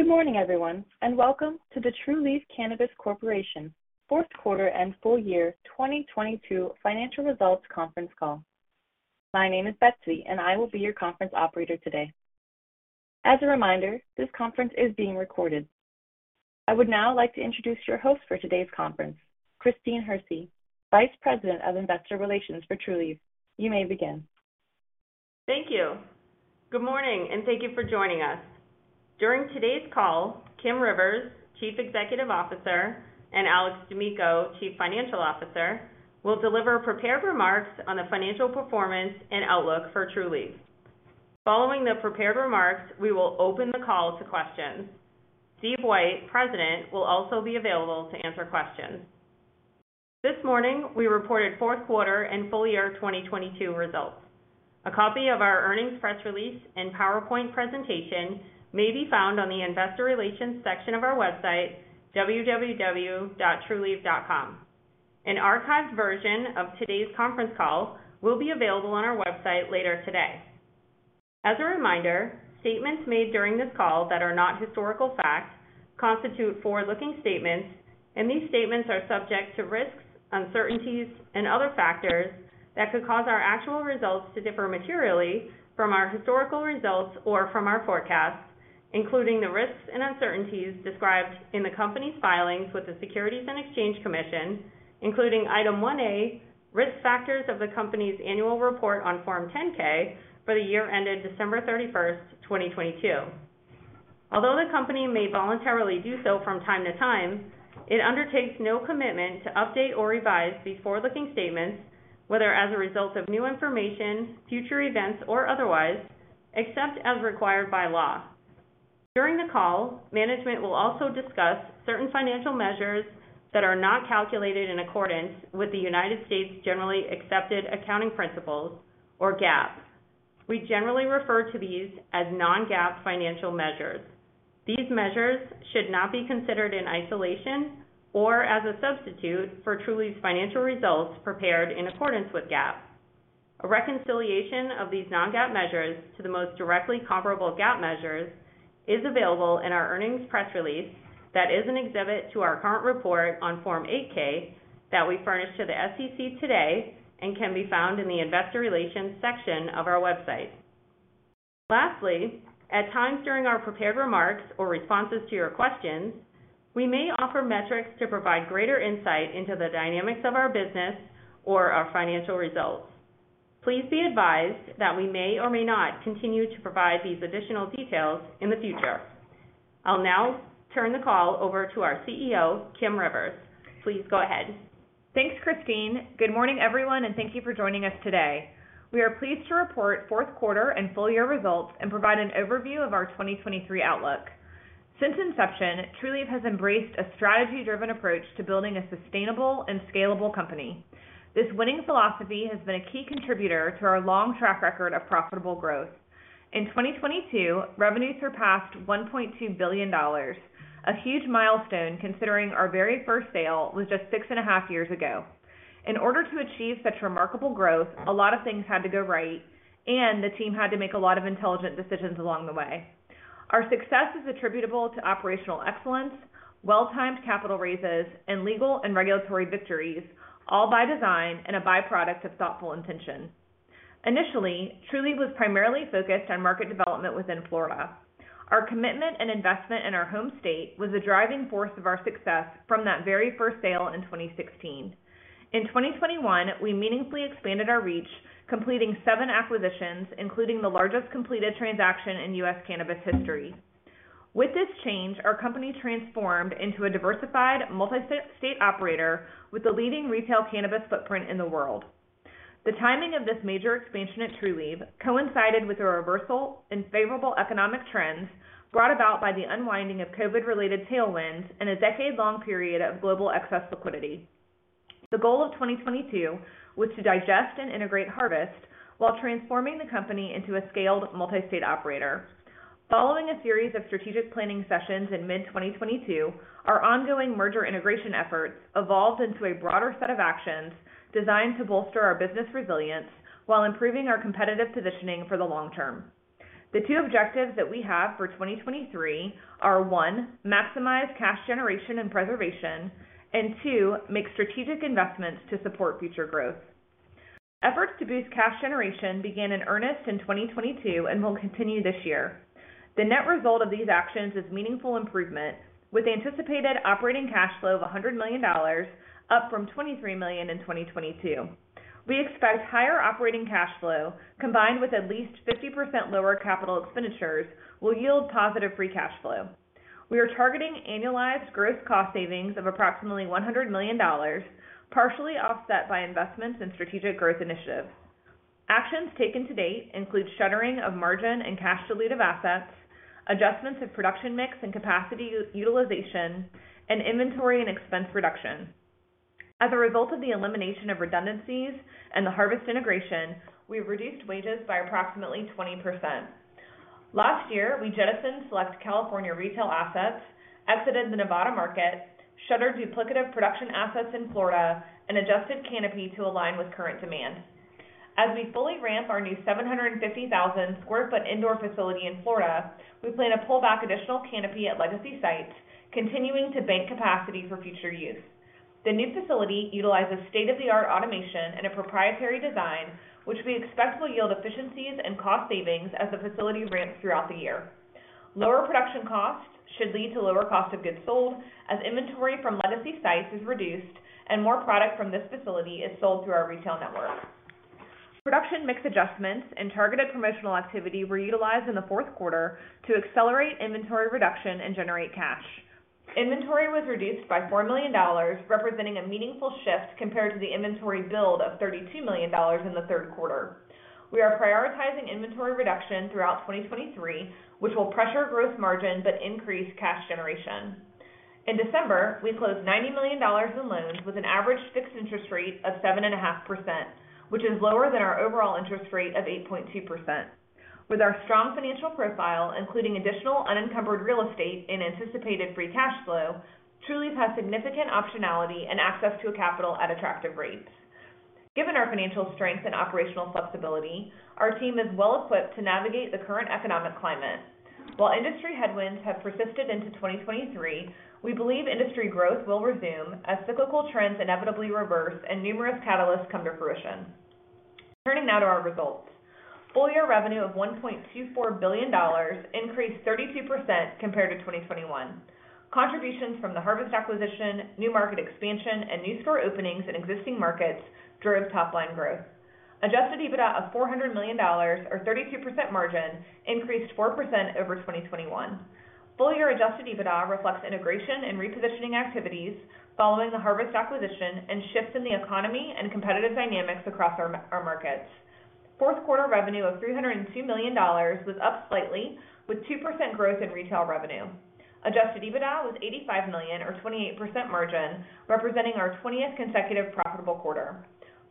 Good morning, everyone, and welcome to the Trulieve Cannabis Corp. fourth quarter and full year 2022 financial results conference call. My name is Betsy, and I will be your conference operator today. As a reminder, this conference is being recorded. I would now like to introduce your host for today's conference, Christine Hersey, Vice President of Investor Relations for Trulieve. You may begin. Thank you. Good morning, thank you for joining us. During today's call, Kim Rivers, Chief Executive Officer, and Alex D'Amico, Chief Financial Officer, will deliver prepared remarks on the financial performance and outlook for Trulieve. Following the prepared remarks, we will open the call to questions. Steve White, President, will also be available to answer questions. This morning, we reported fourth quarter and full year 2022 results. A copy of our earnings press release and PowerPoint presentation may be found on the Investor Relations section of our website, www.trulieve.com. An archived version of today's conference call will be available on our website later today. As a reminder, statements made during this call that are not historical facts constitute forward-looking statements. These statements are subject to risks, uncertainties, and other factors that could cause our actual results to differ materially from our historical results or from our forecasts, including the risks and uncertainties described in the company's filings with the Securities and Exchange Commission, including Item 1A, Risk Factors of the Company's Annual Report on Form 10-K for the year ended December 31st, 2022. Although the company may voluntarily do so from time to time, it undertakes no commitment to update or revise these forward-looking statements, whether as a result of new information, future events, or otherwise, except as required by law. During the call, management will also discuss certain financial measures that are not calculated in accordance with the United States generally accepted accounting principles, or GAAP. We generally refer to these as non-GAAP financial measures. These measures should not be considered in isolation or as a substitute for Trulieve's financial results prepared in accordance with GAAP. A reconciliation of these non-GAAP measures to the most directly comparable GAAP measures is available in our earnings press release that is an exhibit to our current report on Form 8-K that we furnish to the SEC today and can be found in the Investor Relations section of our website. Lastly, at times during our prepared remarks or responses to your questions, we may offer metrics to provide greater insight into the dynamics of our business or our financial results. Please be advised that we may or may not continue to provide these additional details in the future. I'll now turn the call over to our CEO, Kim Rivers. Please go ahead. Thanks, Christine. Good morning, everyone, and thank you for joining us today. We are pleased to report fourth quarter and full year results and provide an overview of our 2023 outlook. Since inception, Trulieve has embraced a strategy-driven approach to building a sustainable and scalable company. This winning philosophy has been a key contributor to our long track record of profitable growth. In 2022, revenue surpassed $1.2 billion, a huge milestone considering our very first sale was just six and a half years ago. In order to achieve such remarkable growth, a lot of things had to go right, and the team had to make a lot of intelligent decisions along the way. Our success is attributable to operational excellence, well-timed capital raises, and legal and regulatory victories, all by design and a byproduct of thoughtful intention. Initially, Trulieve was primarily focused on market development within Florida. Our commitment and investment in our home state was the driving force of our success from that very first sale in 2016. In 2021, we meaningfully expanded our reach, completing seven acquisitions, including the largest completed transaction in U.S. cannabis history. With this change, our company transformed into a diversified, multi-state operator with the leading retail cannabis footprint in the world. The timing of this major expansion at Trulieve coincided with a reversal in favorable economic trends brought about by the unwinding of COVID-related tailwinds and a decade-long period of global excess liquidity. The goal of 2022 was to digest and integrate Harvest while transforming the company into a scaled multi-state operator. Following a series of strategic planning sessions in mid-2022, our ongoing merger integration efforts evolved into a broader set of actions designed to bolster our business resilience while improving our competitive positioning for the long term. The two objectives that we have for 2023 are, 1, maximize cash generation and preservation, and two, make strategic investments to support future growth. Efforts to boost cash generation began in earnest in 2022 and will continue this year. The net result of these actions is meaningful improvement. With anticipated operating cash flow of $100 million, up from $23 million in 2022. We expect higher operating cash flow, combined with at least 50% lower capital expenditures, will yield positive free cash flow. We are targeting annualized gross cost savings of approximately $100 million, partially offset by investments in strategic growth initiatives. Actions taken to date include shuttering of margin and cash dilutive assets, adjustments of production mix and capacity utilization, and inventory and expense reduction. As a result of the elimination of redundancies and the Harvest integration, we reduced wages by approximately 20%. Last year, we jettisoned select California retail assets, exited the Nevada market, shuttered duplicative production assets in Florida, and adjusted canopy to align with current demand. As we fully ramp our new 750,000 sq ft indoor facility in Florida, we plan to pull back additional canopy at legacy sites, continuing to bank capacity for future use. The new facility utilizes state-of-the-art automation and a proprietary design, which we expect will yield efficiencies and cost savings as the facility ramps throughout the year. Lower production costs should lead to lower cost of goods sold as inventory from legacy sites is reduced and more product from this facility is sold through our retail network. Production mix adjustments and targeted promotional activity were utilized in the fourth quarter to accelerate inventory reduction and generate cash. Inventory was reduced by $4 million, representing a meaningful shift compared to the inventory build of $32 million in the third quarter. We are prioritizing inventory reduction throughout 2023, which will pressure gross margin but increase cash generation. In December, we closed $90 million in loans with an average fixed interest rate of 7.5%, which is lower than our overall interest rate of 8.2%. With our strong financial profile, including additional unencumbered real estate and anticipated free cash flow, Trulieve has significant optionality and access to capital at attractive rates. Given our financial strength and operational flexibility, our team is well equipped to navigate the current economic climate. While industry headwinds have persisted into 2023, we believe industry growth will resume as cyclical trends inevitably reverse and numerous catalysts come to fruition. Turning now to our results. Full year revenue of $1.24 billion increased 32% compared to 2021. Contributions from the Harvest acquisition, new market expansion, and new store openings in existing markets drove top line growth. Adjusted EBITDA of $400 million, or 32% margin, increased 4% over 2021. Full year Adjusted EBITDA reflects integration and repositioning activities following the Harvest acquisition and shifts in the economy and competitive dynamics across our markets. Fourth quarter revenue of $302 million was up slightly, with 2% growth in retail revenue. Adjusted EBITDA was $85 million, or 28% margin, representing our 20th consecutive profitable quarter.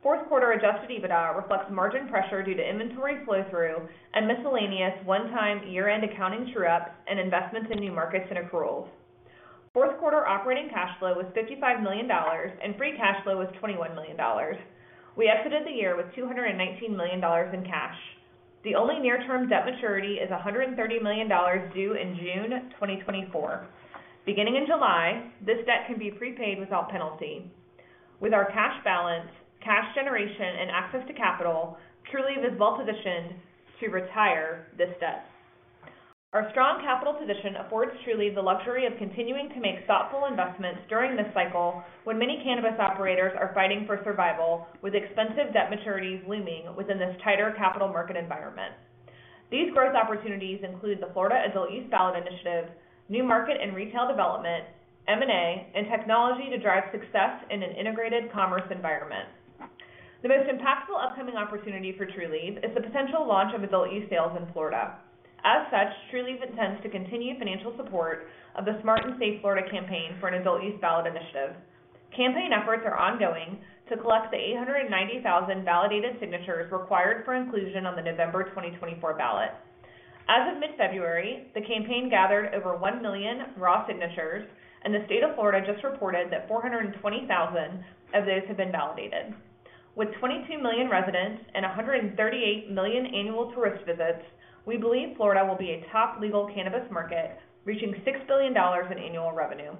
Fourth quarter Adjusted EBITDA reflects margin pressure due to inventory flow-through and miscellaneous one-time year-end accounting true-ups and investments in new markets and accruals. Fourth quarter operating cash flow was $55 million, and free cash flow was $21 million. We exited the year with $219 million in cash. The only near-term debt maturity is $130 million due in June 2024. Beginning in July, this debt can be prepaid without penalty. With our cash balance, cash generation, and access to capital, Trulieve is well-positioned to retire this debt. Our strong capital position affords Trulieve the luxury of continuing to make thoughtful investments during this cycle when many cannabis operators are fighting for survival with expensive debt maturities looming within this tighter capital market environment. These growth opportunities include the Florida adult-use Ballot Initiative, new market and retail development, M&A, and technology to drive success in an integrated commerce environment. The most impactful upcoming opportunity for Trulieve is the potential launch of adult-use sales in Florida. As such, Trulieve intends to continue financial support of the Smart & Safe Florida campaign for an adult-use Ballot Initiative. Campaign efforts are ongoing to collect the 890,000 validated signatures required for inclusion on the November 2024 ballot. As of mid-February, the campaign gathered over one million raw signatures. The state of Florida just reported that 420,000 of those have been validated. With 22 million residents and 138 million annual tourist visits, we believe Florida will be a top legal cannabis market, reaching $6 billion in annual revenue.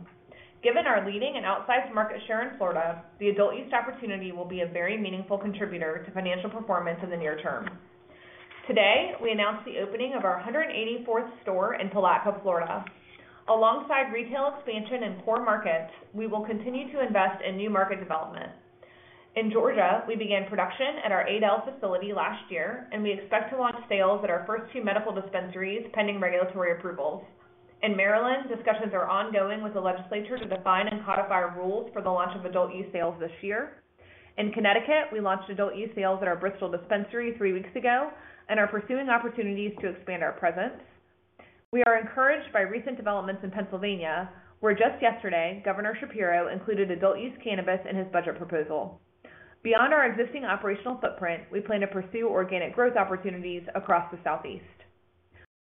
Given our leading and outsized market share in Florida, the adult-use opportunity will be a very meaningful contributor to financial performance in the near term. Today, we announced the opening of our 184th store in Palatka, Florida. Alongside retail expansion in core markets, we will continue to invest in new market development. In Georgia, we began production at our Adel facility last year. We expect to launch sales at our first two medical dispensaries pending regulatory approvals. In Maryland, discussions are ongoing with the legislature to define and codify rules for the launch of adult-use sales this year. In Connecticut, we launched adult-use sales at our Bristol dispensary three weeks ago and are pursuing opportunities to expand our presence. We are encouraged by recent developments in Pennsylvania, where just yesterday, Governor Shapiro included adult-use cannabis in his budget proposal. Beyond our existing operational footprint, we plan to pursue organic growth opportunities across the Southeast.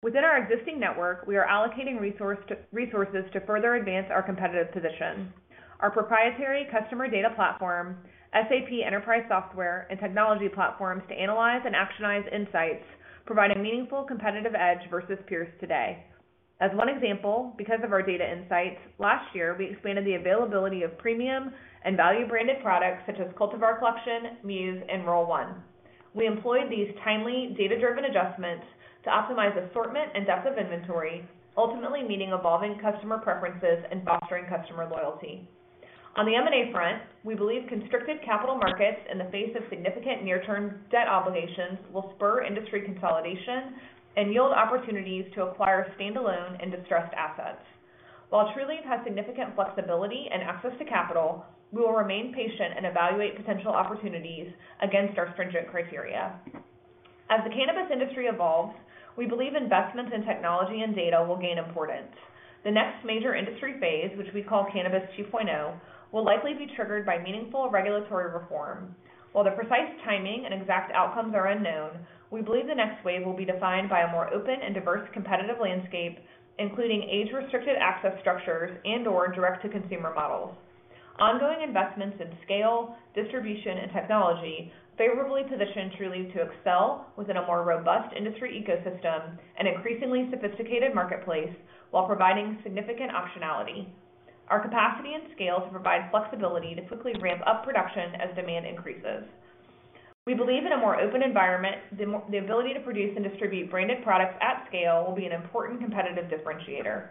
Within our existing network, we are allocating resources to further advance our competitive position. Our proprietary customer data platform, SAP Enterprise Software, and technology platforms to analyze and actionize insights provide a meaningful competitive edge versus peers today. As one example, because of our data insights, last year, we expanded the availability of premium and value-branded products such as Cultivar Collection, Muse, and Roll One. We employed these timely, data-driven adjustments to optimize assortment and depth of inventory, ultimately meeting evolving customer preferences and fostering customer loyalty. On the M&A front, we believe constricted capital markets in the face of significant near-term debt obligations will spur industry consolidation and yield opportunities to acquire standalone and distressed assets. While Trulieve has significant flexibility and access to capital, we will remain patient and evaluate potential opportunities against our stringent criteria. As the cannabis industry evolves, we believe investments in technology and data will gain importance. The next major industry phase, which we call Cannabis 2.0, will likely be triggered by meaningful regulatory reform. While the precise timing and exact outcomes are unknown, we believe the next wave will be defined by a more open and diverse competitive landscape, including age-restricted access structures and/or direct-to-consumer models. Ongoing investments in scale, distribution, and technology favorably position Trulieve to excel within a more robust industry ecosystem and increasingly sophisticated marketplace while providing significant optionality. Our capacity and scale to provide flexibility to quickly ramp up production as demand increases. We believe in a more open environment, the ability to produce and distribute branded products at scale will be an important competitive differentiator.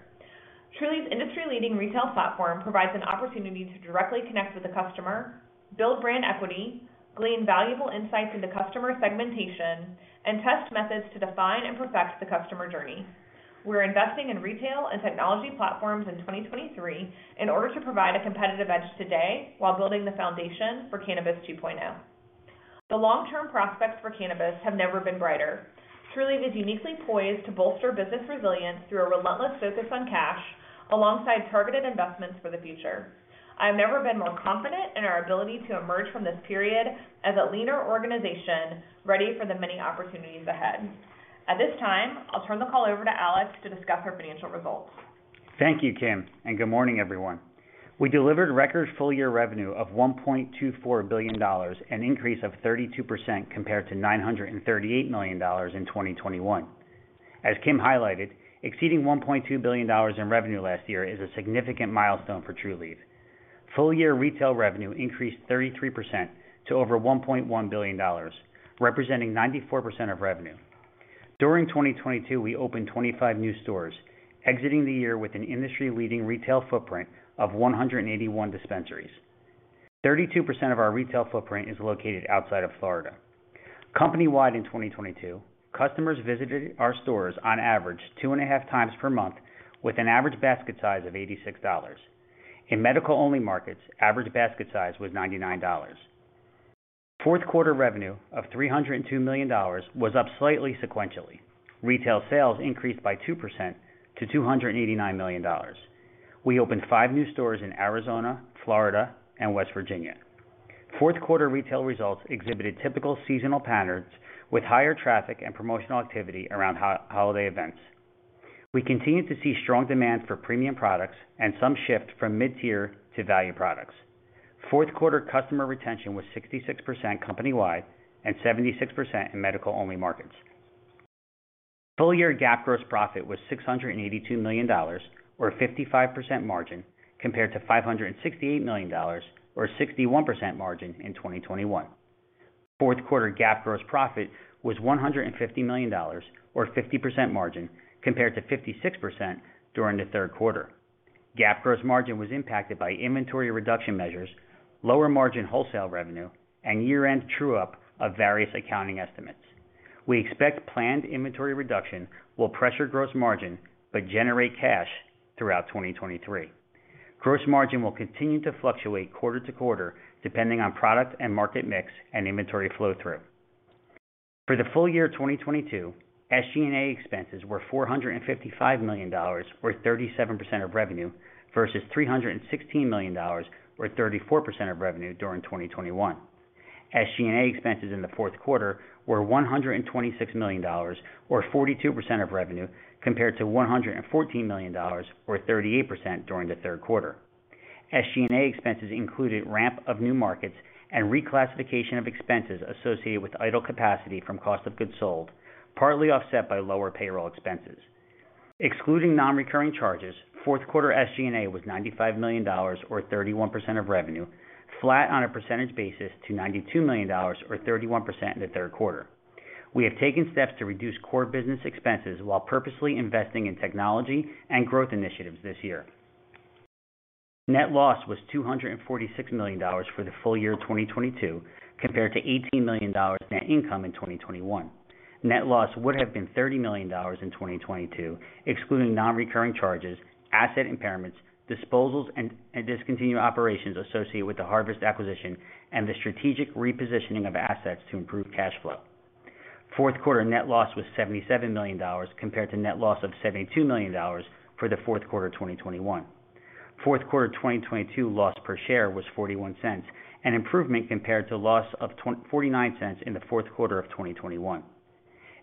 Trulieve's industry-leading retail platform provides an opportunity to directly connect with the customer, build brand equity, glean valuable insights into customer segmentation, and test methods to define and perfect the customer journey. We're investing in retail and technology platforms in 2023 in order to provide a competitive edge today while building the foundation for Cannabis 2.0. The long-term prospects for cannabis have never been brighter. Trulieve is uniquely poised to bolster business resilience through a relentless focus on cash alongside targeted investments for the future. I've never been more confident in our ability to emerge from this period as a leaner organization ready for the many opportunities ahead. At this time, I'll turn the call over to Alex to discuss our financial results. Thank you, Kim. Good morning, everyone. We delivered record full-year revenue of $1.24 billion, an increase of 32% compared to $938 million in 2021. As Kim highlighted, exceeding $1.2 billion in revenue last year is a significant milestone for Trulieve. Full-year retail revenue increased 33% to over $1.1 billion, representing 94% of revenue. During 2022, we opened 25 new stores, exiting the year with an industry-leading retail footprint of 181 dispensaries. 32% of our retail footprint is located outside of Florida. Company-wide in 2022, customers visited our stores on average two and a half times per month with an average basket size of $86. In medical-only markets, average basket size was $99. Fourth quarter revenue of $302 million was up slightly sequentially. Retail sales increased by 2% to $289 million. We opened five new stores in Arizona, Florida, and West Virginia. Fourth quarter retail results exhibited typical seasonal patterns with higher traffic and promotional activity around holiday events. We continued to see strong demand for premium products and some shift from mid-tier to value products. Fourth quarter customer retention was 66% company-wide and 76% in medical-only markets. Full-year GAAP gross profit was $682 million or 55% margin compared to $568 million or 61% margin in 2021. Fourth quarter GAAP gross profit was $150 million or 50% margin compared to 56% during the third quarter. GAAP gross margin was impacted by inventory reduction measures, lower margin wholesale revenue, and year-end true up of various accounting estimates. We expect planned inventory reduction will pressure gross margin but generate cash throughout 2023. Gross margin will continue to fluctuate quarter-to-quarter depending on product and market mix and inventory flow through. For the full year of 2022, SG&A expenses were $455 million or 37% of revenue versus $316 million or 34% of revenue during 2021. SG&A expenses in the fourth quarter were $126 million or 42% of revenue compared to $114 million or 38% during the third quarter. SG&A expenses included ramp of new markets and reclassification of expenses associated with idle capacity from cost of goods sold, partly offset by lower payroll expenses. Excluding non-recurring charges, fourth quarter SG&A was $95 million or 31% of revenue, flat on a percentage basis to $92 million or 31% in the third quarter. We have taken steps to reduce core business expenses while purposely investing in technology and growth initiatives this year. Net loss was $246 million for the full year of 2022 compared to $18 million net income in 2021. Net loss would have been $30 million in 2022, excluding non-recurring charges, asset impairments, disposals, and discontinued operations associated with the Harvest acquisition and the strategic repositioning of assets to improve cash flow. Fourth quarter net loss was $77 million compared to net loss of $72 million for the fourth quarter of 2021. Fourth quarter of 2022 loss per share was $0.41, an improvement compared to loss of $0.49 in the fourth quarter of 2021.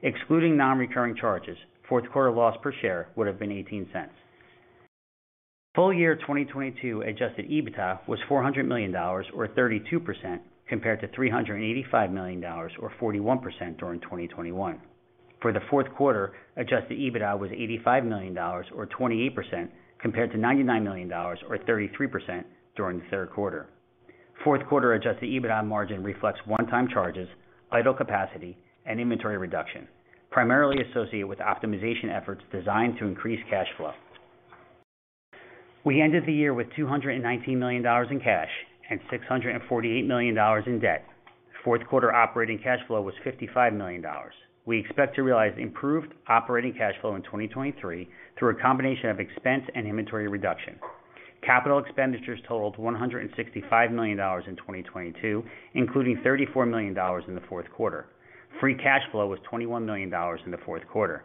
Excluding non-recurring charges, fourth quarter loss per share would have been $0.18. Full year 2022 adjusted EBITDA was $400 million or 32% compared to $385 million or 41% during 2021. For the fourth quarter, adjusted EBITDA was $85 million or 28% compared to $99 million or 33% during the third quarter. Fourth quarter adjusted EBITDA margin reflects one-time charges, idle capacity, and inventory reduction, primarily associated with optimization efforts designed to increase cash flow. We ended the year with $219 million in cash and $648 million in debt. Fourth quarter operating cash flow was $55 million. We expect to realize improved operating cash flow in 2023 through a combination of expense and inventory reduction. Capital expenditures totaled $165 million in 2022, including $34 million in the fourth quarter. Free cash flow was $21 million in the fourth quarter.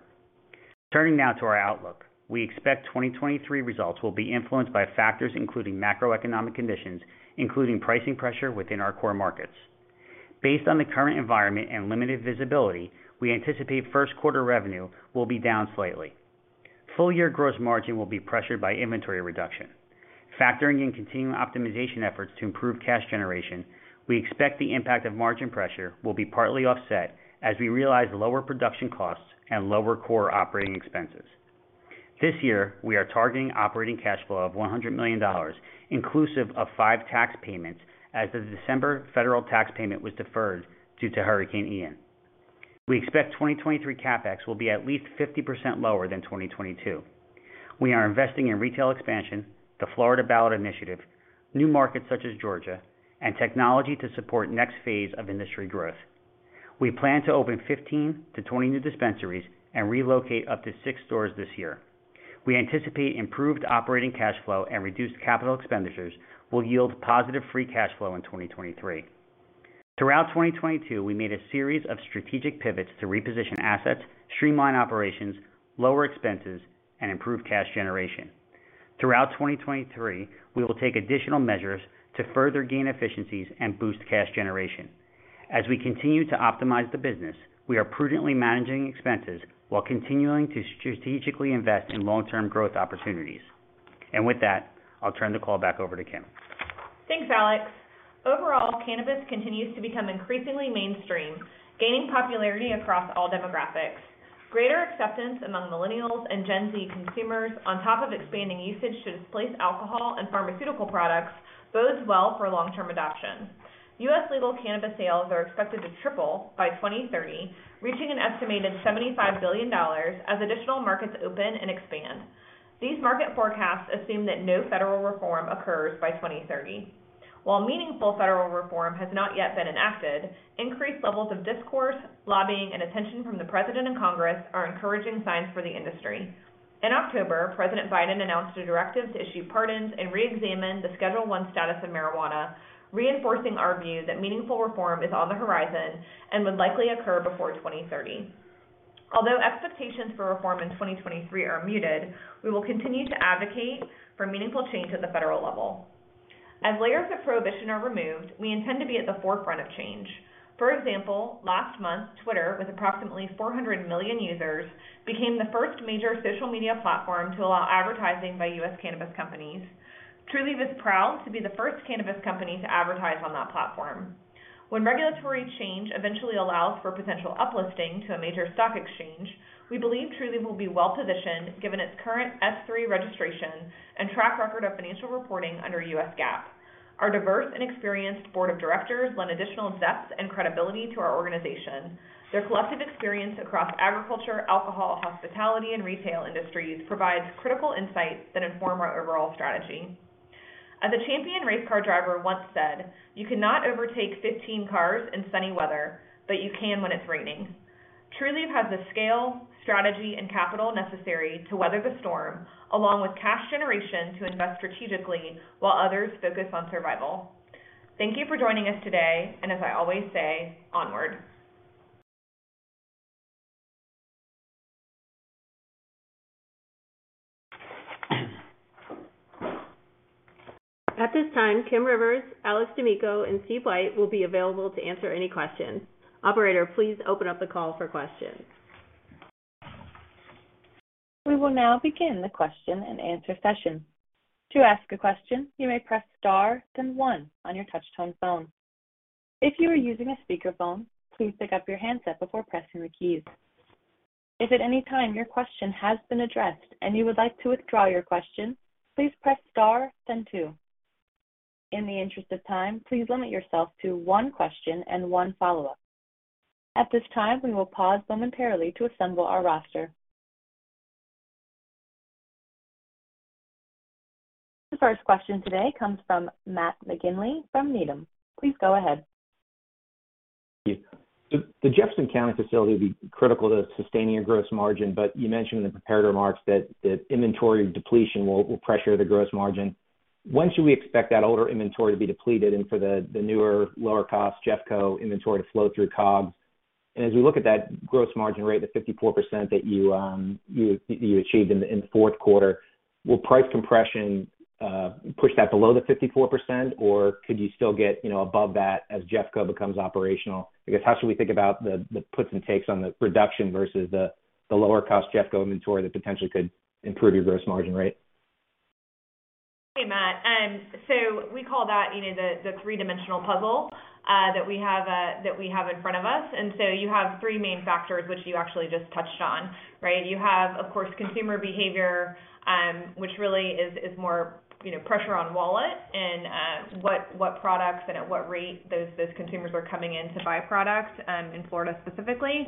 Turning now to our outlook. We expect 2023 results will be influenced by factors including macroeconomic conditions, including pricing pressure within our core markets. Based on the current environment and limited visibility, we anticipate first quarter revenue will be down slightly. Full-year gross margin will be pressured by inventory reduction. Factoring in continuing optimization efforts to improve cash generation, we expect the impact of margin pressure will be partly offset as we realize lower production costs and lower core operating expenses. This year, we are targeting operating cash flow of $100 million, inclusive of five tax payments as the December federal tax payment was deferred due to Hurricane Ian. We expect 2023 CapEx will be at least 50% lower than 2022. We are investing in retail expansion, the Florida ballot initiative, new markets such as Georgia, and technology to support next phase of industry growth. We plan to open 15-20 new dispensaries and relocate up to six stores this year. We anticipate improved operating cash flow and reduced capital expenditures will yield positive free cash flow in 2023. Throughout 2022, we made a series of strategic pivots to reposition assets, streamline operations, lower expenses, and improve cash generation. Throughout 2023, we will take additional measures to further gain efficiencies and boost cash generation. As we continue to optimize the business, we are prudently managing expenses while continuing to strategically invest in long-term growth opportunities. With that, I'll turn the call back over to Kim. Thanks, Alex. Overall, cannabis continues to become increasingly mainstream, gaining popularity across all demographics. Greater acceptance among Millennials and Gen Z consumers on top of expanding usage to displace alcohol and pharmaceutical products bodes well for long-term adoption. U.S. legal cannabis sales are expected to triple by 2030, reaching an estimated $75 billion as additional markets open and expand. These market forecasts assume that no federal reform occurs by 2030. While meaningful federal reform has not yet been enacted, increased levels of discourse, lobbying, and attention from the President and Congress are encouraging signs for the industry. In October, Joe Biden announced a directive to issue pardons and reexamine the Schedule I status of marijuana, reinforcing our view that meaningful reform is on the horizon and would likely occur before 2030. Although expectations for reform in 2023 are muted, we will continue to advocate for meaningful change at the federal level. As layers of prohibition are removed, we intend to be at the forefront of change. For example, last month, Twitter, with approximately 400 million users, became the first major social media platform to allow advertising by U.S. cannabis companies. Trulieve is proud to be the first cannabis company to advertise on that platform. When regulatory change eventually allows for potential uplisting to a major stock exchange, we believe Trulieve will be well-positioned, given its current Form S-3 and track record of financial reporting under U.S. GAAP. Our diverse and experienced board of directors lend additional depth and credibility to our organization. Their collective experience across agriculture, alcohol, hospitality, and retail industries provides critical insights that inform our overall strategy. As a champion race car driver once said, "You cannot overtake 15 cars in sunny weather, but you can when it's raining." Trulieve has the scale, strategy, and capital necessary to weather the storm, along with cash generation to invest strategically while others focus on survival. Thank you for joining us today, and as I always say, onward. At this time, Kim Rivers, Alex D'Amico, and Steve White will be available to answer any questions. Operator, please open up the call for questions. We will now begin the question-and-answer session. To ask a question, you may press Star then one on your touch-tone phone. If you are using a speakerphone, please pick up your handset before pressing the keys. If at any time your question has been addressed and you would like to withdraw your question, please press Star then two. In the interest of time, please limit yourself to one question and one follow-up. At this time, we will pause momentarily to assemble our roster. The first question today comes from Matt McGinley from Needham. Please go ahead. The Jefferson County facility will be critical to sustaining your gross margin, but you mentioned in the prepared remarks that inventory depletion will pressure the gross margin. When should we expect that older inventory to be depleted and for the newer, lower cost JeffCo inventory to flow through COG? As we look at that gross margin rate, the 54% that you achieved in the fourth quarter, will price compression push that below the 54%, or could you still get, you know, above that as JeffCo becomes operational? I guess, how should we think about the puts and takes on the reduction versus the lower cost JeffCo inventory that potentially could improve your gross margin rate? Hey, Matt. We call that, you know, the three-dimensional puzzle that we have in front of us. You have three main factors which you actually just touched on, right? You have, of course, consumer behavior, which really is more, you know, pressure on wallet and what products and at what rate those consumers are coming in to buy products in Florida specifically.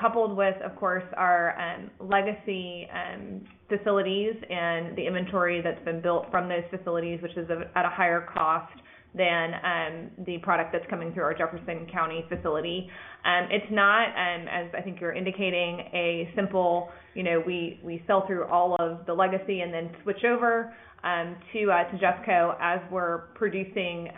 Coupled with, of course, our legacy facilities and the inventory that's been built from those facilities, which is at a higher cost than the product that's coming through our Jefferson County facility. It's not, as I think you're indicating, a simple, you know, we sell through all of the legacy and then switch over to JeffCo as we're producing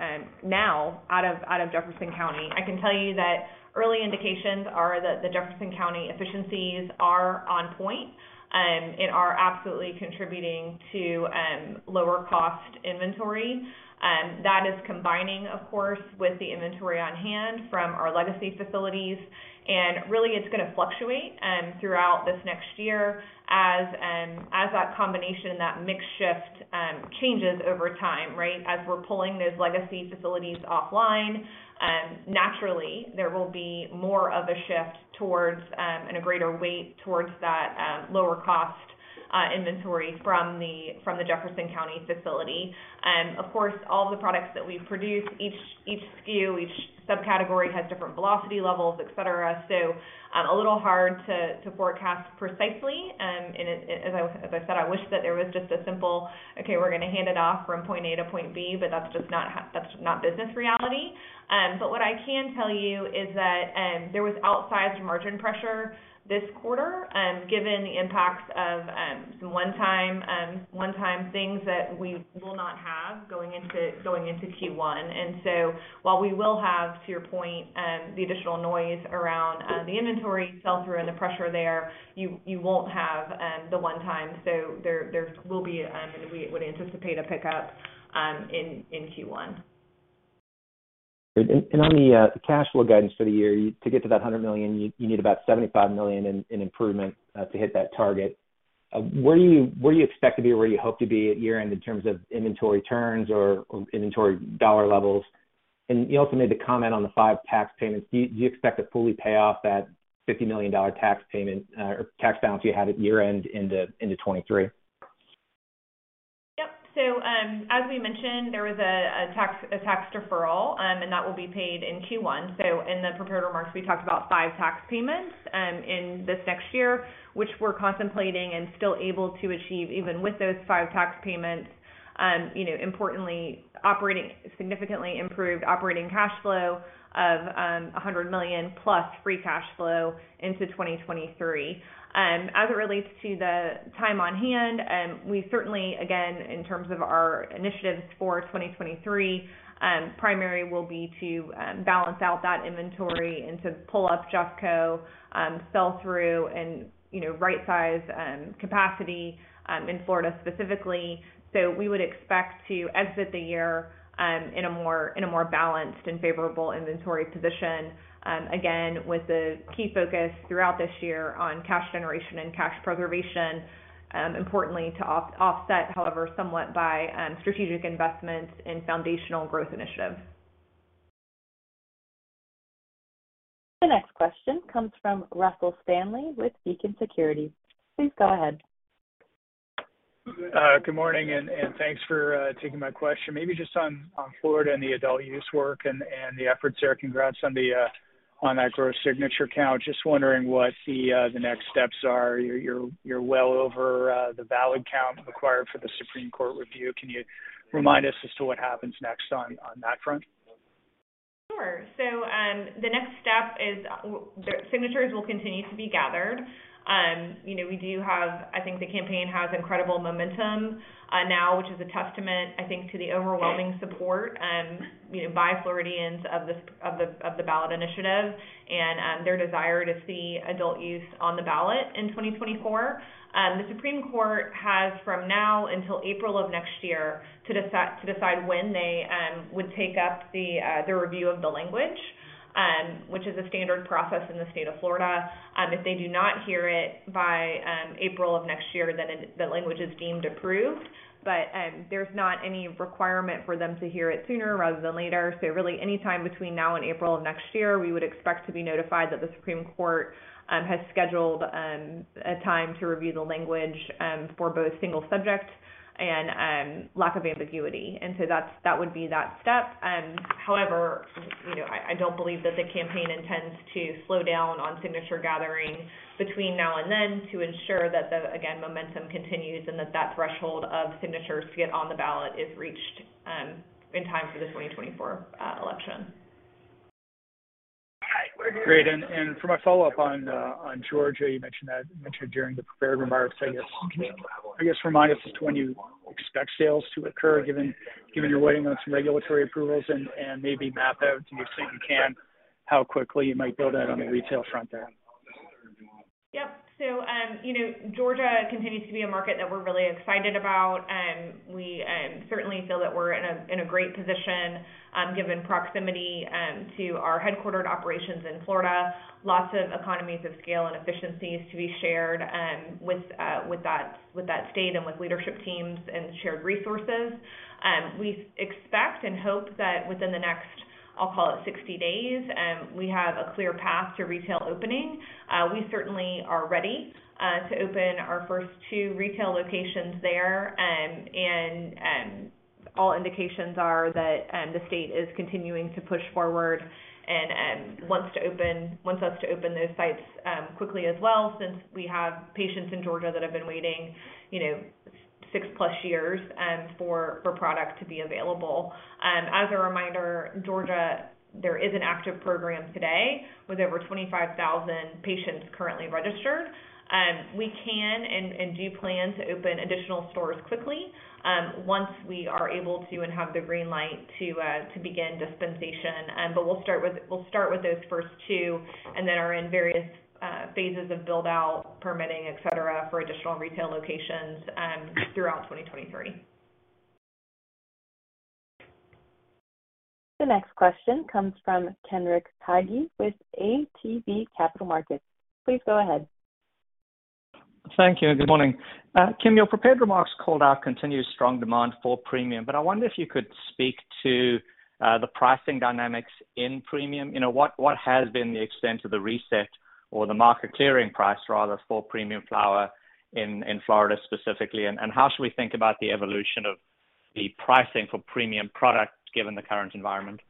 now out of Jefferson County. I can tell you that early indications are that the Jefferson County efficiencies are on point and are absolutely contributing to lower cost inventory. That is combining, of course, with the inventory on hand from our legacy facilities. Really, it's gonna fluctuate throughout this next year as that combination, that mix shift, changes over time, right? We're pulling those legacy facilities offline, naturally there will be more of a shift towards and a greater weight towards that lower cost inventory from the Jefferson County facility. Of course, all the products that we produce, each SKU, each subcategory has different velocity levels, et cetera. A little hard to forecast precisely. As I said, I wish that there was just a simple, "Okay, we're gonna hand it off from point A to point B," but that's just not business reality. What I can tell you is that there was outsized margin pressure this quarter, given the impacts of some one-time things that we will not have going into Q1. While we will have, to your point, the additional noise around the inventory sell-through and the pressure there, you won't have the one-time. There will be, we would anticipate a pickup in Q1. On the cash flow guidance for the year, to get to that $100 million, you need about $75 million in improvement to hit that target. Where do you expect to be, or where do you hope to be at year-end in terms of inventory turns or inventory dollar levels? You also made the comment on the five tax payments. Do you expect to fully pay off that $50 million tax payment, or tax balance you had at year-end into 2023? Yep. As we mentioned, there was a tax deferral, and that will be paid in Q1. In the prepared remarks, we talked about five tax payments in this next year, which we're contemplating and still able to achieve even with those five tax payments. You know, importantly, significantly improved operating cash flow of $100 million-plus free cash flow into 2023. As it relates to the time on hand, we certainly, again, in terms of our initiatives for 2023, primary will be to balance out that inventory and to pull up JeffCo, sell through and, you know, rightsize capacity in Florida specifically. We would expect to exit the year, in a more balanced and favorable inventory position, again, with the key focus throughout this year on cash generation and cash preservation, importantly to offset, however, somewhat by strategic investments in foundational growth initiatives. The next question comes from Russell Stanley with Beacon Securities. Please go ahead. Good morning, and thanks for taking my question. Maybe just on Florida and the adult use work and the efforts there. Congrats on that gross signature count. Just wondering what the next steps are. You're well over the valid count required for the Supreme Court review. Can you remind us as to what happens next on that front? Sure. The next step is the signatures will continue to be gathered. You know, I think the campaign has incredible momentum now, which is a testament, I think, to the overwhelming support, you know, by Floridians of this, of the ballot initiative and their desire to see adult-use on the ballot in 2024. The Supreme Court has from now until April of next year to decide when they would take up the review of the language, which is a standard process in the state of Florida. If they do not hear it by April of next year, then the language is deemed approved. There's not any requirement for them to hear it sooner rather than later. Really any time between now and April of 2025, we would expect to be notified that the Supreme Court has scheduled a time to review the language for both single subject and lack of ambiguity. That's, that would be that step. However, you know, I don't believe that the campaign intends to slow down on signature gathering between now and then to ensure that the, again, momentum continues and that that threshold of signatures to get on the ballot is reached in time for the 2024 election. Great. For my follow-up on Georgia, you mentioned during the prepared remarks, I guess. Can you, I guess, remind us as to when you expect sales to occur given you're waiting on some regulatory approvals and maybe map out to the extent you can how quickly you might build out on the retail front there? Yep. You know, Georgia continues to be a market that we're really excited about. We certainly feel that we're in a, in a great position, given proximity, to our headquartered operations in Florida, lots of economies of scale and efficiencies to be shared, with that, with that state and with leadership teams and shared resources. We expect and hope that within the next, I'll call it 60 days, we have a clear path to retail opening. We certainly are ready, to open our first two retail locations there. All indications are that the state is continuing to push forward and wants us to open those sites quickly as well since we have patients in Georgia that have been waiting, you know, six plus years for product to be available. As a reminder, Georgia, there is an active program today with over 25,000 patients currently registered. We can and do plan to open additional stores quickly once we are able to and have the green light to begin dispensation. We'll start with those first two and then are in various phases of build-out, permitting, et cetera, for additional retail locations throughout 2023. The next question comes from Kenric Tyghe with ATB Capital Markets. Please go ahead. Thank you. Good morning. Kim, your prepared remarks called out continued strong demand for premium, but I wonder if you could speak to the pricing dynamics in premium. You know, what has been the extent of the reset or the market clearing price rather for premium flower in Florida specifically? How should we think about the evolution of the pricing for premium product given the current environment?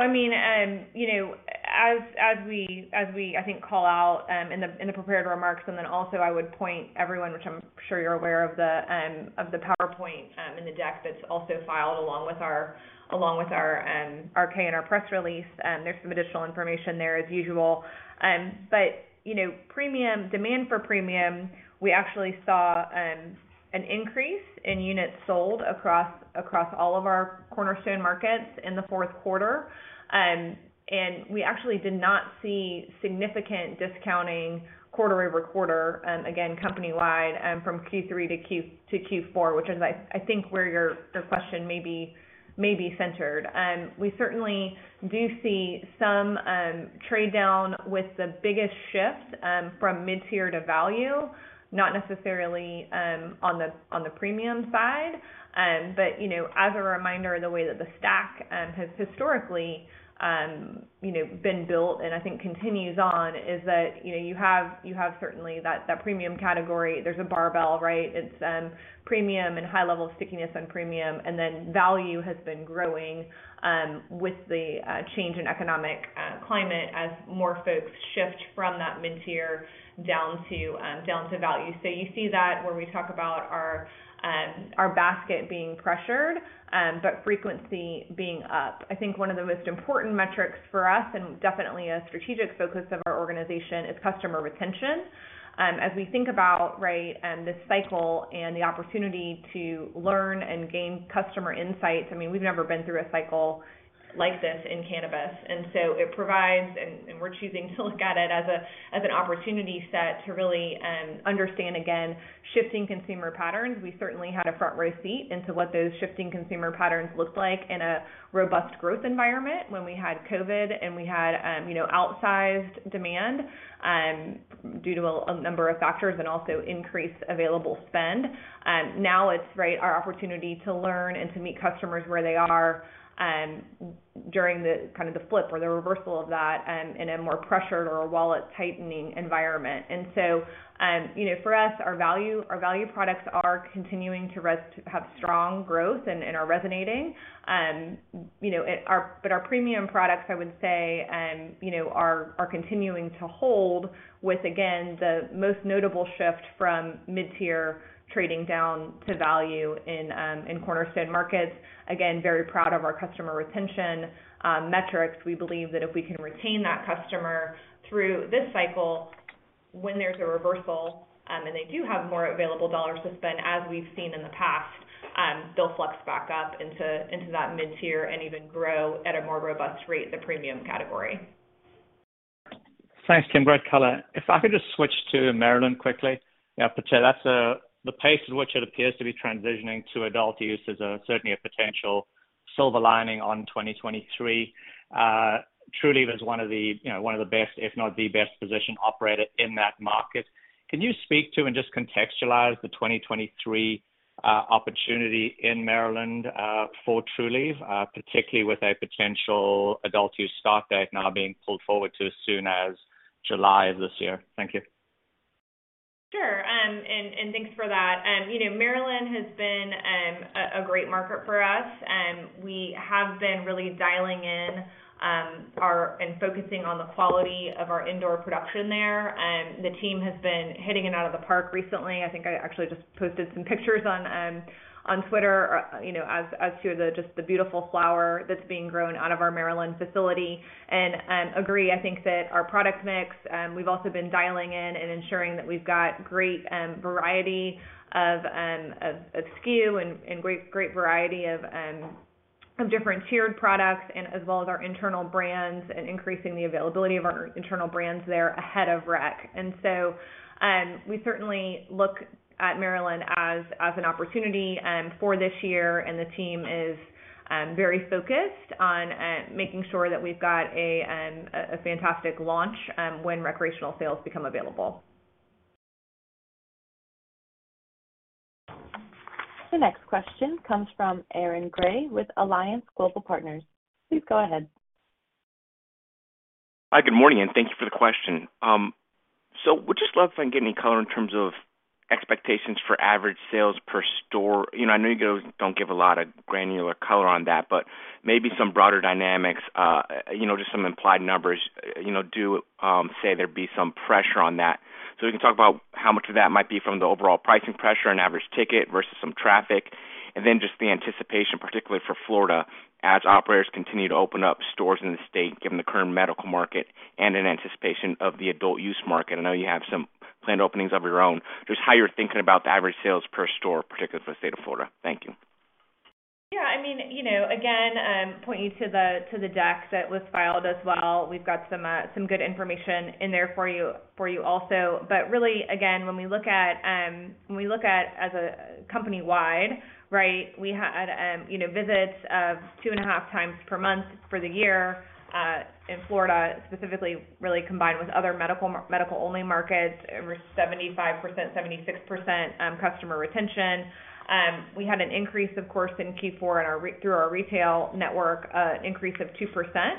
I mean, you know, as we I think call out in the prepared remarks, also I would point everyone, which I'm sure you're aware of the PowerPoint in the deck that's also filed along with our K in our press release. There's some additional information there as usual. You know, demand for premium, we actually saw an increase in units sold across all of our cornerstone markets in the fourth quarter. We actually did not see significant discounting quarter-over-quarter, again, company-wide, from Q3 to Q4, which is, I think where your question may be centered. We certainly do see some trade down with the biggest shift from mid-tier to value, not necessarily on the premium side. You know, as a reminder, the way that the stack has historically, you know, been built and I think continues on is that, you know, you have certainly that premium category. There's a barbell, right? It's premium and high level stickiness on premium, and then value has been growing with the change in economic climate as more folks shift from that mid-tier down to value. You see that where we talk about our basket being pressured, but frequency being up. I think one of the most important metrics for us, and definitely a strategic focus of our organization is customer retention. As we think about, right, this cycle and the opportunity to learn and gain customer insights, I mean, we've never been through a cycle like this in cannabis. It provides, and we're choosing to look at it as an opportunity set to really understand, again, shifting consumer patterns. We certainly had a front row seat into what those shifting consumer patterns looked like in a robust growth environment when we had COVID and we had, you know, outsized demand due to a number of factors and also increased available spend. Now it's, right, our opportunity to learn and to meet customers where they are during the kind of the flip or the reversal of that in a more pressured or a wallet-tightening environment. you know, for us, our value products are continuing to have strong growth and are resonating. you know, but our premium products, I would say, you know, are continuing to hold with, again, the most notable shift from mid-tier trading down to value in cornerstone markets. Again, very proud of our customer retention metrics. We believe that if we can retain that customer through this cycle when there's a reversal, and they do have more available dollars to spend, as we've seen in the past, they'll flex back up into that mid-tier and even grow at a more robust rate in the premium category. Thanks, Kim. Great color. If I could just switch to Maryland quickly. That's the pace at which it appears to be transitioning to adult use is certainly a potential silver lining on 2023. Trulieve was one of the best, if not the best positioned operator in that market. Can you speak to and just contextualize the 2023 opportunity in Maryland for Trulieve, particularly with a potential adult use start date now being pulled forward to as soon as July of this year? Thank you. Sure. And thanks for that. You know, Maryland has been a great market for us. We have been really dialing in and focusing on the quality of our indoor production there. The team has been hitting it out of the park recently. I think I actually just posted some pictures on Twitter, you know, as to the just the beautiful flower that's being grown out of our Maryland facility. Agree, I think that our product mix, we've also been dialing in and ensuring that we've got great variety of SKU and great variety of different tiered products and as well as our internal brands and increasing the availability of our internal brands there ahead of uncertain. We certainly look at Maryland as an opportunity for this year, and the team is very focused on making sure that we've got a fantastic launch when recreational sales become available. The next question comes from Aaron Grey with Alliance Global Partners. Please go ahead. Hi, good morning, and thank you for the question. Would just love to get any color in terms of expectations for average sales per store. You know, I know you guys don't give a lot of granular color on that, but maybe some broader dynamics, you know, just some implied numbers. You know, say there'd be some pressure on that. We can talk about how much of that might be from the overall pricing pressure and average ticket versus some traffic, and then just the anticipation, particularly for Florida, as operators continue to open up stores in the state, given the current medical market and in anticipation of the adult use market. I know you have some planned openings of your own. Just how you're thinking about the average sales per store, particularly for the state of Florida. Thank you. Yeah, I mean, you know, again, point you to the, to the deck that was filed as well. We've got some good information in there for you, for you also. Really, again, when we look at as a company-wide, right, we had, you know, visits of 2.5 times per month for the year, in Florida specifically, really combined with other medical-only markets, over 75%, 76% customer retention. We had an increase, of course, in Q4 in our through our retail network, an increase of 2%.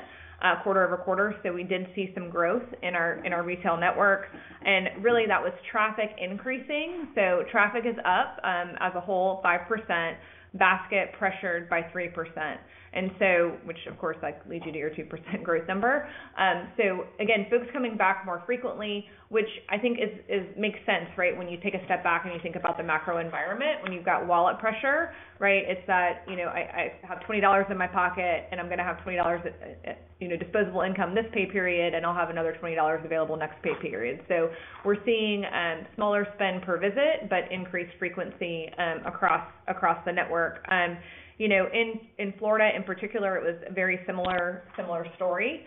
Quarter-over-quarter. We did see some growth in our, in our retail network, and really that was traffic increasing. Traffic is up as a whole 5%, basket pressured by 3%. Which of course, like, leads you to your 2% growth number. Again, folks coming back more frequently, which I think is makes sense, right? When you take a step back and you think about the macro environment, when you've got wallet pressure, right? It's that, you know, I have $20 in my pocket and I'm gonna have $20 at, you know, disposable income this pay period, and I'll have another $20 available next pay period. We're seeing smaller spend per visit, but increased frequency across the network. You know, in Florida in particular, it was very similar story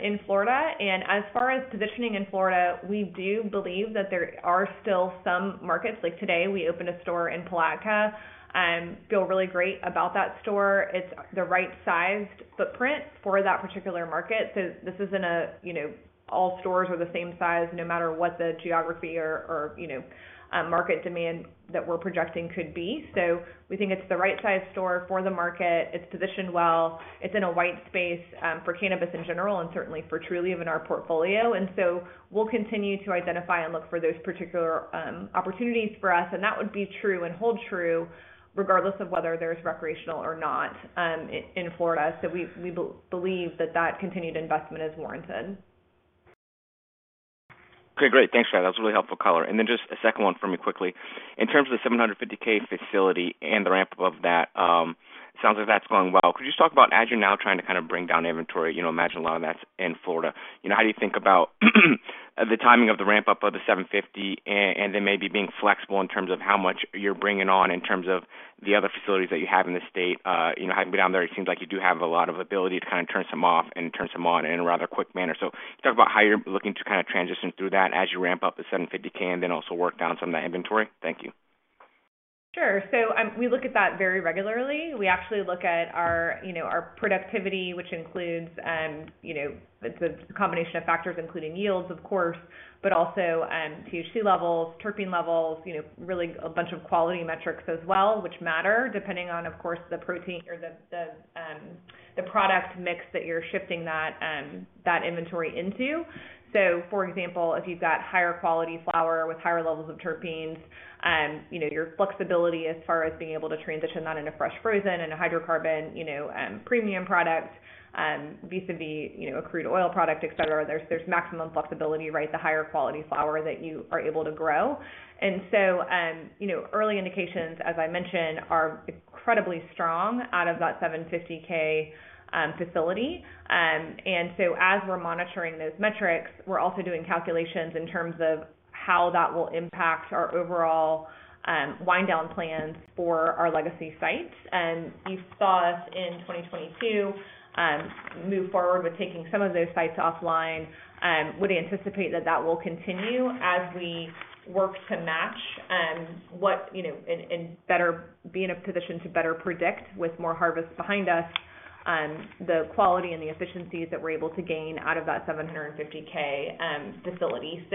in Florida. As far as positioning in Florida, we do believe that there are still some markets. Like today, we opened a store in Palatka, feel really great about that store. It's the right sized footprint for that particular market. This isn't a, you know, all stores are the same size no matter what the geography or, you know, market demand that we're projecting could be. We think it's the right size store for the market. It's positioned well. It's in a white space for cannabis in general, and certainly for Trulieve in our portfolio. We'll continue to identify and look for those particular opportunities for us. That would be true and hold true regardless of whether there's recreational or not, in Florida. We believe that that continued investment is warranted. Okay, great. Thanks for that. That's really helpful color. Just a second one for me quickly. In terms of 750K facility and the ramp-up of that, sounds like that's going well. Could you just talk about as you're now trying to kind of bring down inventory, you know, imagine a lot of that's in Florida? You know, how do you think about, the timing of the ramp-up of the 750 and then maybe being flexible in terms of how much you're bringing on in terms of the other facilities that you have in the state? You know, having been down there, it seems like you do have a lot of ability to kind of turn some off and turn some on in a rather quick manner. just talk about how you're looking to kind of transition through that as you ramp up the 750K and then also work down some of the inventory? Thank you. Sure. We look at that very regularly. We actually look at our, you know, our productivity, which includes, you know, it's a combination of factors, including yields of course, but also THC levels, terpene levels, you know, really a bunch of quality metrics as well, which matter depending on, of course, the protein or the product mix that you're shifting that inventory into. For example, if you've got higher quality flower with higher levels of terpenes, you know, your flexibility as far as being able to transition that into fresh frozen and a hydrocarbon, you know, premium product, vis-a-vis, you know, a crude oil product, et cetera. There's maximum flexibility, right? The higher quality flower that you are able to grow. You know, early indications, as I mentioned, are incredibly strong out of that 750K facility. As we're monitoring those metrics, we're also doing calculations in terms of how that will impact our overall wind down plans for our legacy sites. You saw us in 2022 move forward with taking some of those sites offline. Would anticipate that that will continue as we work to match what, you know, be in a position to better predict with more harvests behind us, the quality and the efficiencies that we're able to gain out of that 750K facility.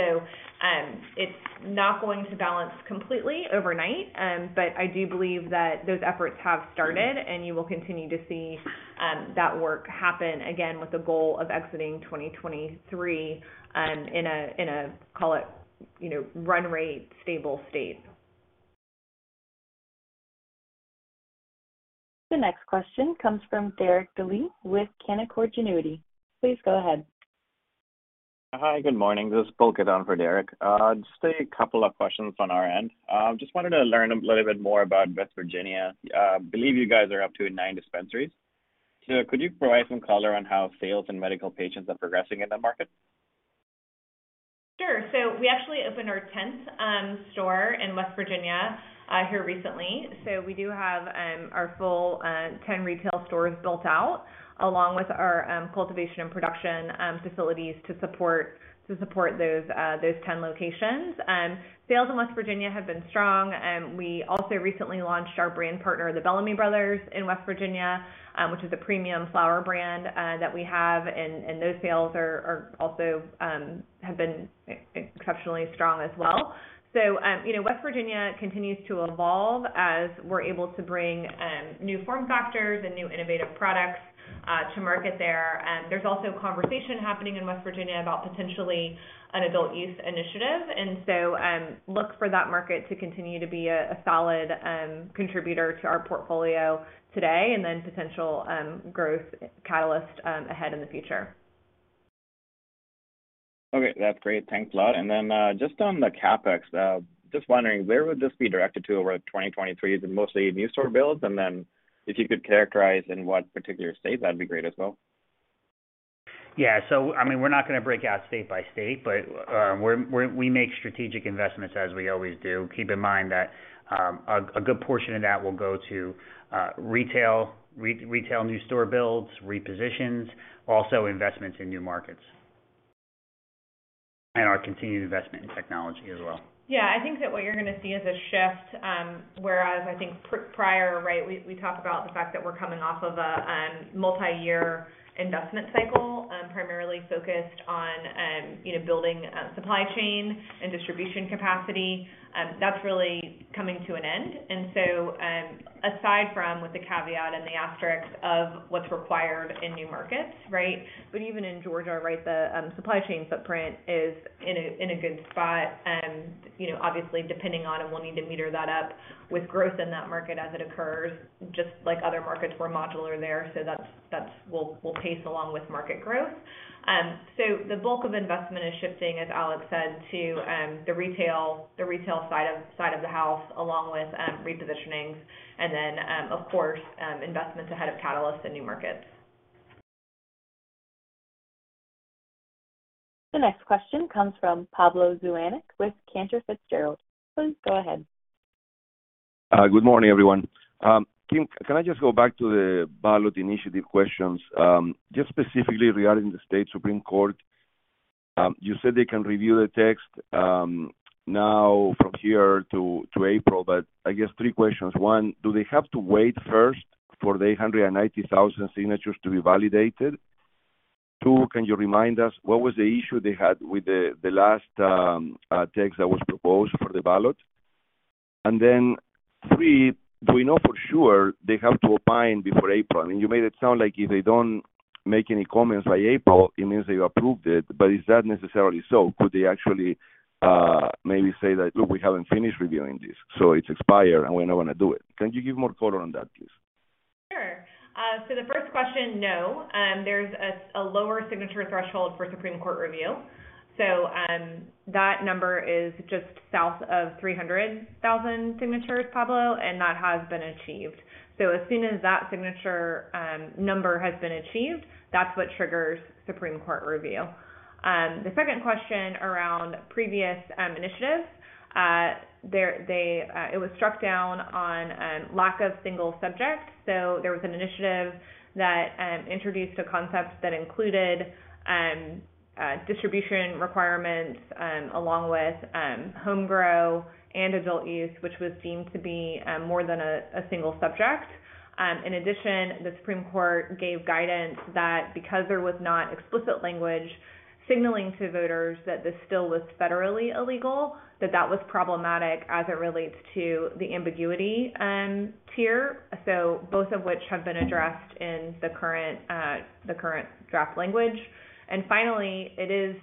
It's not going to balance completely overnight. I do believe that those efforts have started and you will continue to see that work happen again with the goal of exiting 2023, in a, call it, you know, run rate stable state. The next question comes from Derek Dley with Canaccord Genuity. Please go ahead. Hi, good morning. This is Paul Kalandra for Derek. Just a couple of questions on our end. Just wanted to learn a little bit more about West Virginia. Believe you guys are up to nine dispensaries. Could you provide some color on how sales and medical patients are progressing in that market? Sure. We actually opened our 10th store in West Virginia here recently. We do have our full 10 retail stores built out, along with our cultivation and production facilities to support those 10 locations. Sales in West Virginia have been strong. We also recently launched our brand partner, the Bellamy Brothers in West Virginia, which is a premium flower brand that we have. Those sales are also exceptionally strong as well. You know, West Virginia continues to evolve as we're able to bring new form factors and new innovative products to market there. There's also conversation happening in West Virginia about potentially an adult use initiative. Look for that market to continue to be a solid, contributor to our portfolio today and then potential, growth catalyst, ahead in the future. Okay, that's great. Thanks a lot. Just on the CapEx, just wondering where would this be directed to over 2023? Is it mostly new store builds? If you could characterize in what particular states, that'd be great as well. Yeah. I mean, we're not gonna break out state by state, but we make strategic investments as we always do. Keep in mind that a good portion of that will go to retail, new store builds, repositions, also investments in new markets, and our continued investment in technology as well. Yeah. I think that what you're gonna see is a shift, whereas I think prior, right, we talked about the fact that we're coming off of a multi-year investment cycle, primarily focused on building supply chain and distribution capacity, that's really coming to an end. Aside from with the caveat and the asterisk of what's required in new markets, right? Even in Georgia, right, the supply chain footprint is in a good spot. You know, obviously depending on, and we'll need to meter that up with growth in that market as it occurs, just like other markets where modular are there. That's we'll pace along with market growth. The bulk of investment is shifting, as Alex said, to the retail side of the house, along with repositioning and then, of course, investments ahead of catalysts in new markets. The next question comes from Pablo Zuanic with Cantor Fitzgerald. Please go ahead. Good morning, everyone. Kim, can I just go back to the ballot initiative questions, just specifically regarding the state Supreme Court. You said they can review the text, now from here to April. I guess three questions. One, do they have to wait first for the 890,000 signatures to be validated? Two, can you remind us what was the issue they had with the last text that was proposed for the ballot? Three, do we know for sure they have to opine before April? I mean, you made it sound like if they don't make any comments by April, it means they approved it. Is that necessarily so? Could they actually, maybe say that, "Look, we haven't finished reviewing this, so it's expired and we're not gonna do it." Can you give more color on that, please? Sure. The first question, no. There's a lower signature threshold for Supreme Court review. That number is just south of 300,000 signatures, Pablo, and that has been achieved. As soon as that signature number has been achieved, that's what triggers Supreme Court review. The second question around previous initiatives, it was struck down on lack of single subject. There was an initiative that introduced a concept that included distribution requirements along with home grow and adult use, which was deemed to be more than a single subject. In addition, the Supreme Court gave guidance that because there was not explicit language signaling to voters that this still was federally illegal, that that was problematic as it relates to the ambiguity tier. Both of which have been addressed in the current draft language. Finally, it is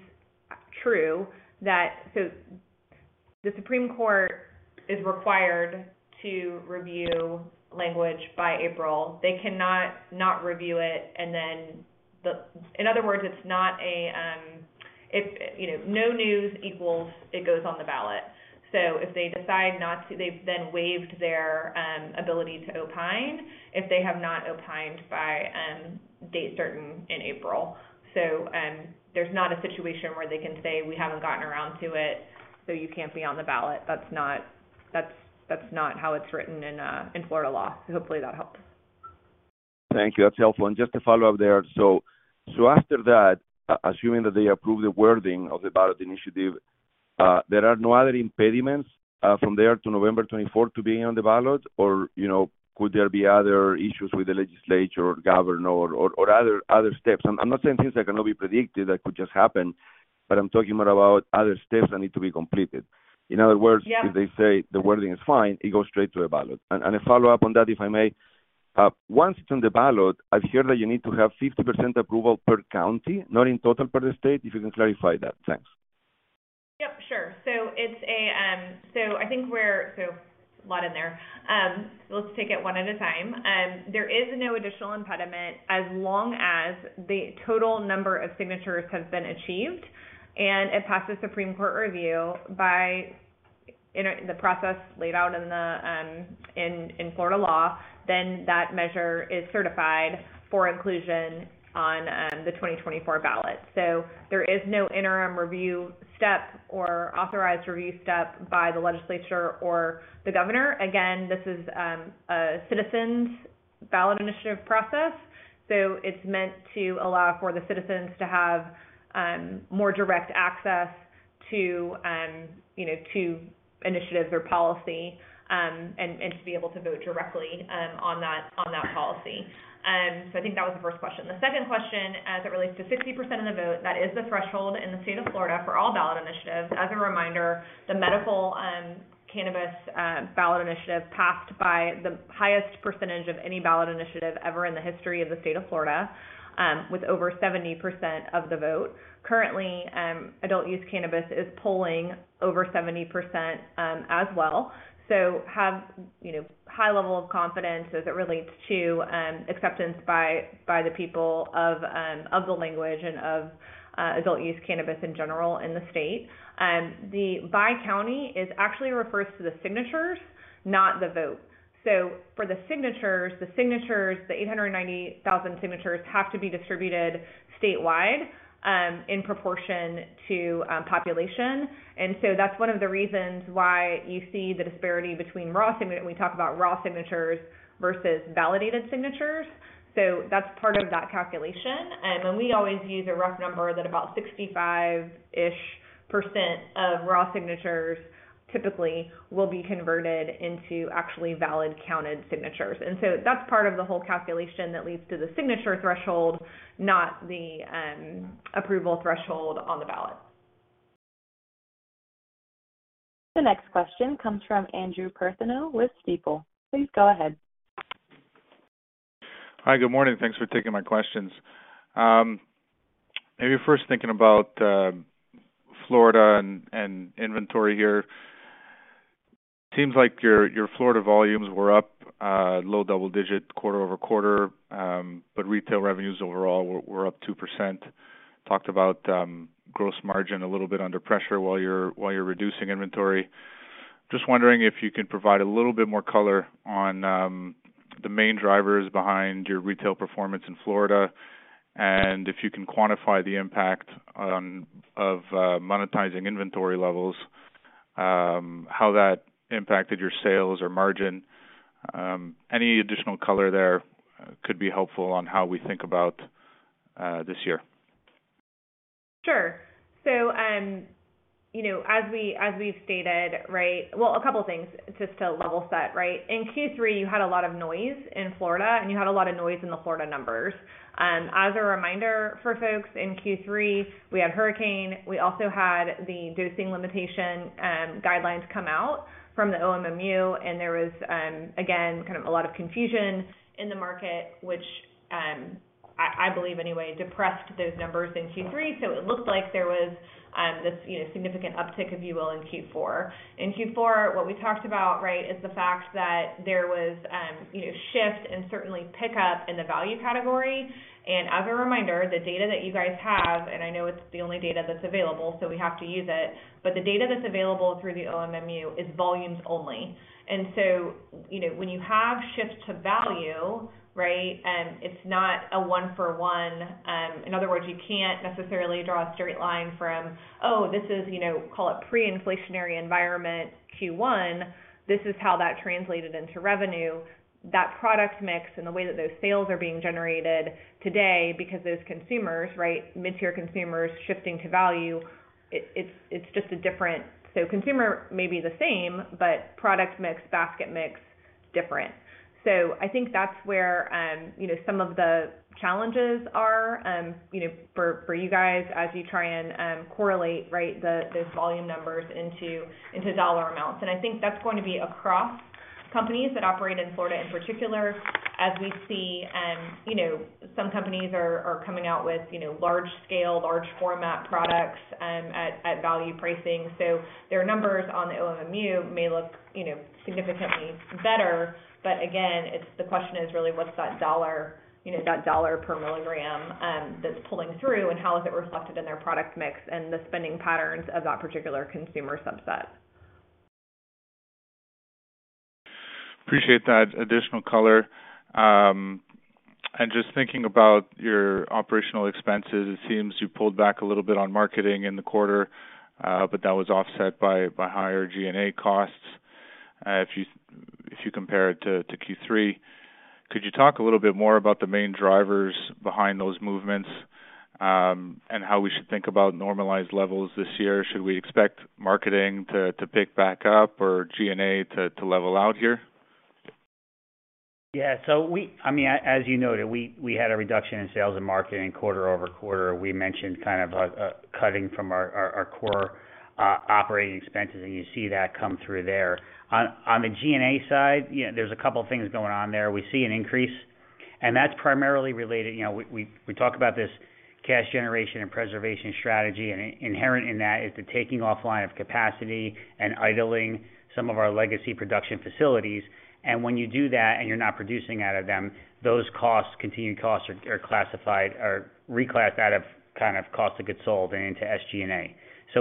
true that the Supreme Court is required to review language by April. They cannot not review it. In other words, it's not a, if, you know, no news equals it goes on the ballot. If they decide not to, they've then waived their ability to opine, if they have not opined by date certain in April. There's not a situation where they can say, "We haven't gotten around to it, so you can't be on the ballot." That's not how it's written in Florida law. Hopefully that helps. Thank you. That's helpful. Just to follow up there. After that, assuming that they approve the wording of the ballot initiative, there are no other impediments from there to November 24th to being on the ballot? You know, could there be other issues with the legislature or governor or other steps? I'm not saying things that cannot be predicted, that could just happen, but I'm talking more about other steps that need to be completed. In other words. Yeah. If they say the wording is fine, it goes straight to a ballot. A follow-up on that, if I may. Once it's on the ballot, I've heard that you need to have 50% approval per county, not in total, per the state, if you can clarify that. Thanks. Yep, sure. It's a, so I think a lot in there. Let's take it one at a time. There is no additional impediment as long as the total number of signatures has been achieved and it passes Supreme Court review by the process laid out in Florida law, then that measure is certified for inclusion on the 2024 ballot. There is no interim review step or authorized review step by the legislature or the governor. Again, this is a citizens' ballot initiative process, it's meant to allow for the citizens to have more direct access to, you know, to initiatives or policy, and to be able to vote directly on that policy. I think that was the first question. The second question, as it relates to 50% of the vote, that is the threshold in the state of Florida for all ballot initiatives. As a reminder, the medical cannabis ballot initiative passed by the highest percentage of any ballot initiative ever in the history of the state of Florida, with over 70% of the vote. Currently, adult-use cannabis is polling over 70% as well. Have, you know, high level of confidence as it relates to acceptance by the people of the language and of adult-use cannabis in general in the state. The by county actually refers to the signatures, not the vote. For the signatures, the 890,000 signatures have to be distributed statewide in proportion to population. That's one of the reasons why you see the disparity between raw signatures versus validated signatures. That's part of that calculation. We always use a rough number that about 65%-ish of raw signatures typically will be converted into actually valid counted signatures. That's part of the whole calculation that leads to the signature threshold, not the approval threshold on the ballot. The next question comes from Andrew Partheniou with Stifel. Please go ahead. Hi, good morning. Thanks for taking my questions. Maybe first thinking about Florida and inventory here. Seems like your Florida volumes were up low double digit quarter-over-quarter, but retail revenues overall were up 2%. Talked about gross margin a little bit under pressure while you're reducing inventory. Just wondering if you could provide a little bit more color on the main drivers behind your retail performance in Florida, and if you can quantify the impact of monetizing inventory levels, how that impacted your sales or margin. Any additional color there could be helpful on how we think about this year. Sure. You know, as we've stated, right. Well, a couple of things just to level set, right. In Q3, you had a lot of noise in Florida, and you had a lot of noise in the Florida numbers. As a reminder for folks, in Q3, we had hurricane. We also had the dosing limitation, guidelines come out from the OMMU, and there was, again, kind of a lot of confusion in the market, which, I believe anyway, depressed those numbers in Q3. It looked like there was, this, you know, significant uptick, if you will, in Q4. In Q4, what we talked about, right, is the fact that there was, you know, shift and certainly pickup in the value category. As a reminder, the data that you guys have, and I know it's the only data that's available, so we have to use it, but the data that's available through the OMMU is volumes only. you know, when you have shift to value, right, it's not a one for one. In other words, you can't necessarily draw a straight line from, oh, this is, you know, call it pre-inflationary environment Q1. This is how that translated into revenue. That product mix and the way that those sales are being generated today because those consumers, right, mid-tier consumers shifting to value, it's just a different. Consumer may be the same, but product mix, basket mix, different. I think that's where, you know, some of the challenges are, you know, for you guys as you try and correlate, right, those volume numbers into dollar amounts. I think that's going to be across companies that operate in Florida, in particular, as we see, you know, some companies are coming out with, you know, large scale, large format products, at value pricing. Their numbers on the OMMU may look, you know, significantly better. Again, the question is really what's that dollar, you know, that dollar per milligram that's pulling through, and how is it reflected in their product mix and the spending patterns of that particular consumer subset. Appreciate that additional color. Just thinking about your operational expenses, it seems you pulled back a little bit on marketing in the quarter, but that was offset by higher G&A costs if you compare it to Q3. Could you talk a little bit more about the main drivers behind those movements, and how we should think about normalized levels this year? Should we expect marketing to pick back up or G&A to level out here? I mean, as you noted, we had a reduction in sales and marketing quarter-over-quarter. We mentioned kind of cutting from our core operating expenses, and you see that come through there. On the G&A side, you know, there's a couple of things going on there. We see an increase, and that's primarily related. You know, we talk about this cash generation and preservation strategy, and inherent in that is the taking offline of capacity and idling some of our legacy production facilities. When you do that and you're not producing out of them, those costs, continued costs are reclassed out of kind of cost of goods sold and into SG&A.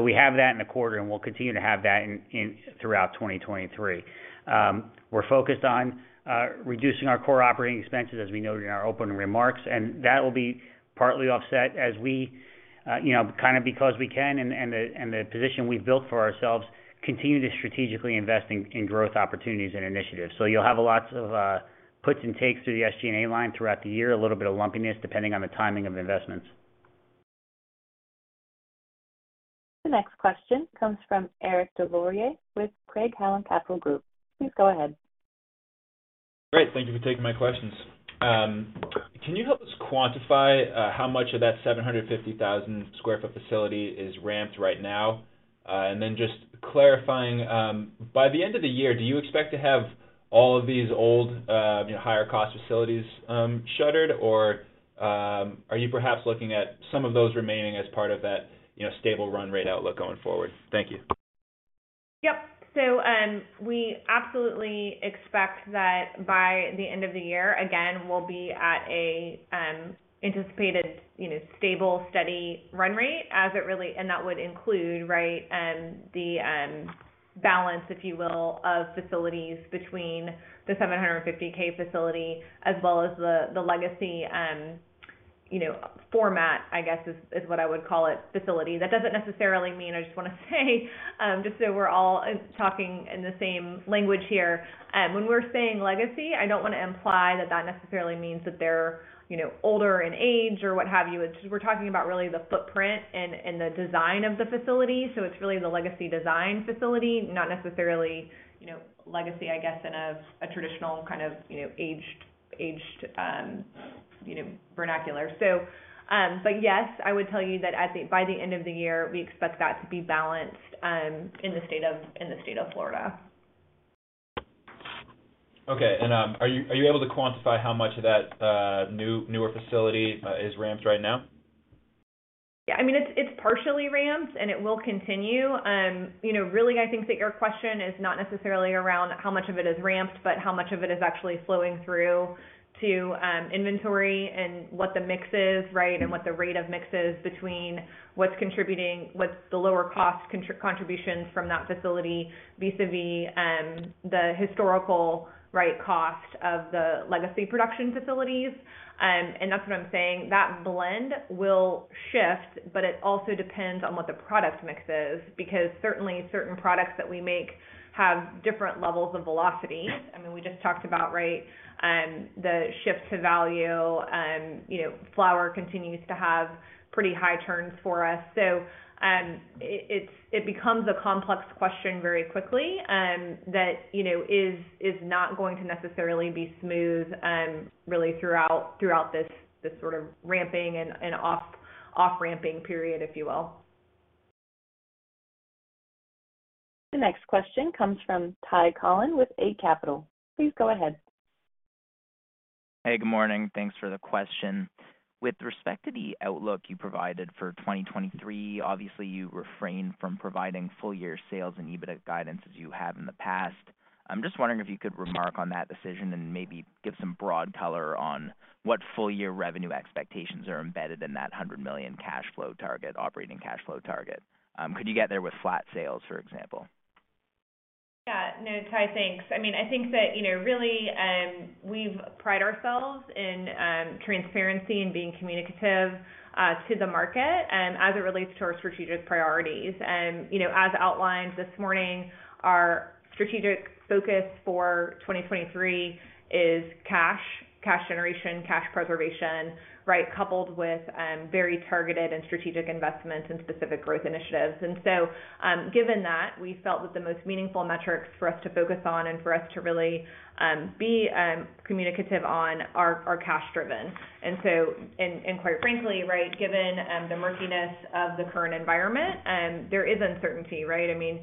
We have that in the quarter, and we'll continue to have that in throughout 2023. We're focused on reducing our core operating expenses, as we noted in our opening remarks, and that will be partly offset as we, you know, kind of because we can and the, and the position we've built for ourselves, continue to strategically invest in growth opportunities and initiatives. You'll have lots of puts and takes through the SG&A line throughout the year, a little bit of lumpiness, depending on the timing of investments. The next question comes from Eric DesLauriers with Craig-Hallum Capital Group. Please go ahead. Great. Thank you for taking my questions. Can you help us quantify how much of that 750,000 sq ft facility is ramped right now? Just clarifying, by the end of the year, do you expect to have all of these old, you know, higher cost facilities, shuttered, or are you perhaps looking at some of those remaining as part of that, you know, stable run rate outlook going forward? Thank you. Yep. We absolutely expect that by the end of the year, again, we'll be at an anticipated, you know, stable, steady run rate as it really. And that would include, right, the balance, if you will, of facilities between the 750K facility as well as the legacy, you know, format, I guess is what I would call it, facility. That doesn't necessarily mean, I just wanna say, just so we're all talking in the same language here. When we're saying legacy, I don't wanna imply that that necessarily means that they're, you know, older in age or what have you. We're talking about really the footprint and the design of the facility. It's really the legacy design facility, not necessarily, you know, legacy, I guess, in a traditional kind of, you know, aged, you know, vernacular. Yes, I would tell you that by the end of the year, we expect that to be balanced, in the state of Florida. Okay. Are you able to quantify how much of that newer facility is ramped right now? Yeah, I mean, it's partially ramped, and it will continue. You know, really, I think that your question is not necessarily around how much of it is ramped, but how much of it is actually flowing through to, inventory and what the mix is, right? What the rate of mix is between what's contributing, what's the lower cost contribution from that facility, vis-a-vis, the historical, right, cost of the legacy production facilities. That's what I'm saying. That blend will shift, but it also depends on what the product mix is, because certainly, certain products that we make have different levels of velocity. I mean, we just talked about, right, the shift to value. You know, flower continues to have pretty high turns for us. It becomes a complex question very quickly, that, you know, is not going to necessarily be smooth, really throughout this sort of ramping and off-ramping period, if you will. The next question comes from Ty Collin with Eight Capital. Please go ahead. Hey, good morning. Thanks for the question. With respect to the outlook you provided for 2023, obviously you refrained from providing full year sales and EBITDA guidance as you have in the past. I'm just wondering if you could remark on that decision and maybe give some broad color on what full year revenue expectations are embedded in that $100 million cash flow target, operating cash flow target. Could you get there with flat sales, for example? Yeah. No, Ty, thanks. I mean, I think that, you know, really, we've pride ourselves in transparency and being communicative to the market as it relates to our strategic priorities. You know, as outlined this morning, our strategic focus for 2023 is cash. Cash generation, cash preservation, right? Coupled with very targeted and strategic investments in specific growth initiatives. Given that, we felt that the most meaningful metrics for us to focus on and for us to really be communicative on are cash driven. Quite frankly, right, given the murkiness of the current environment, there is uncertainty, right? I mean,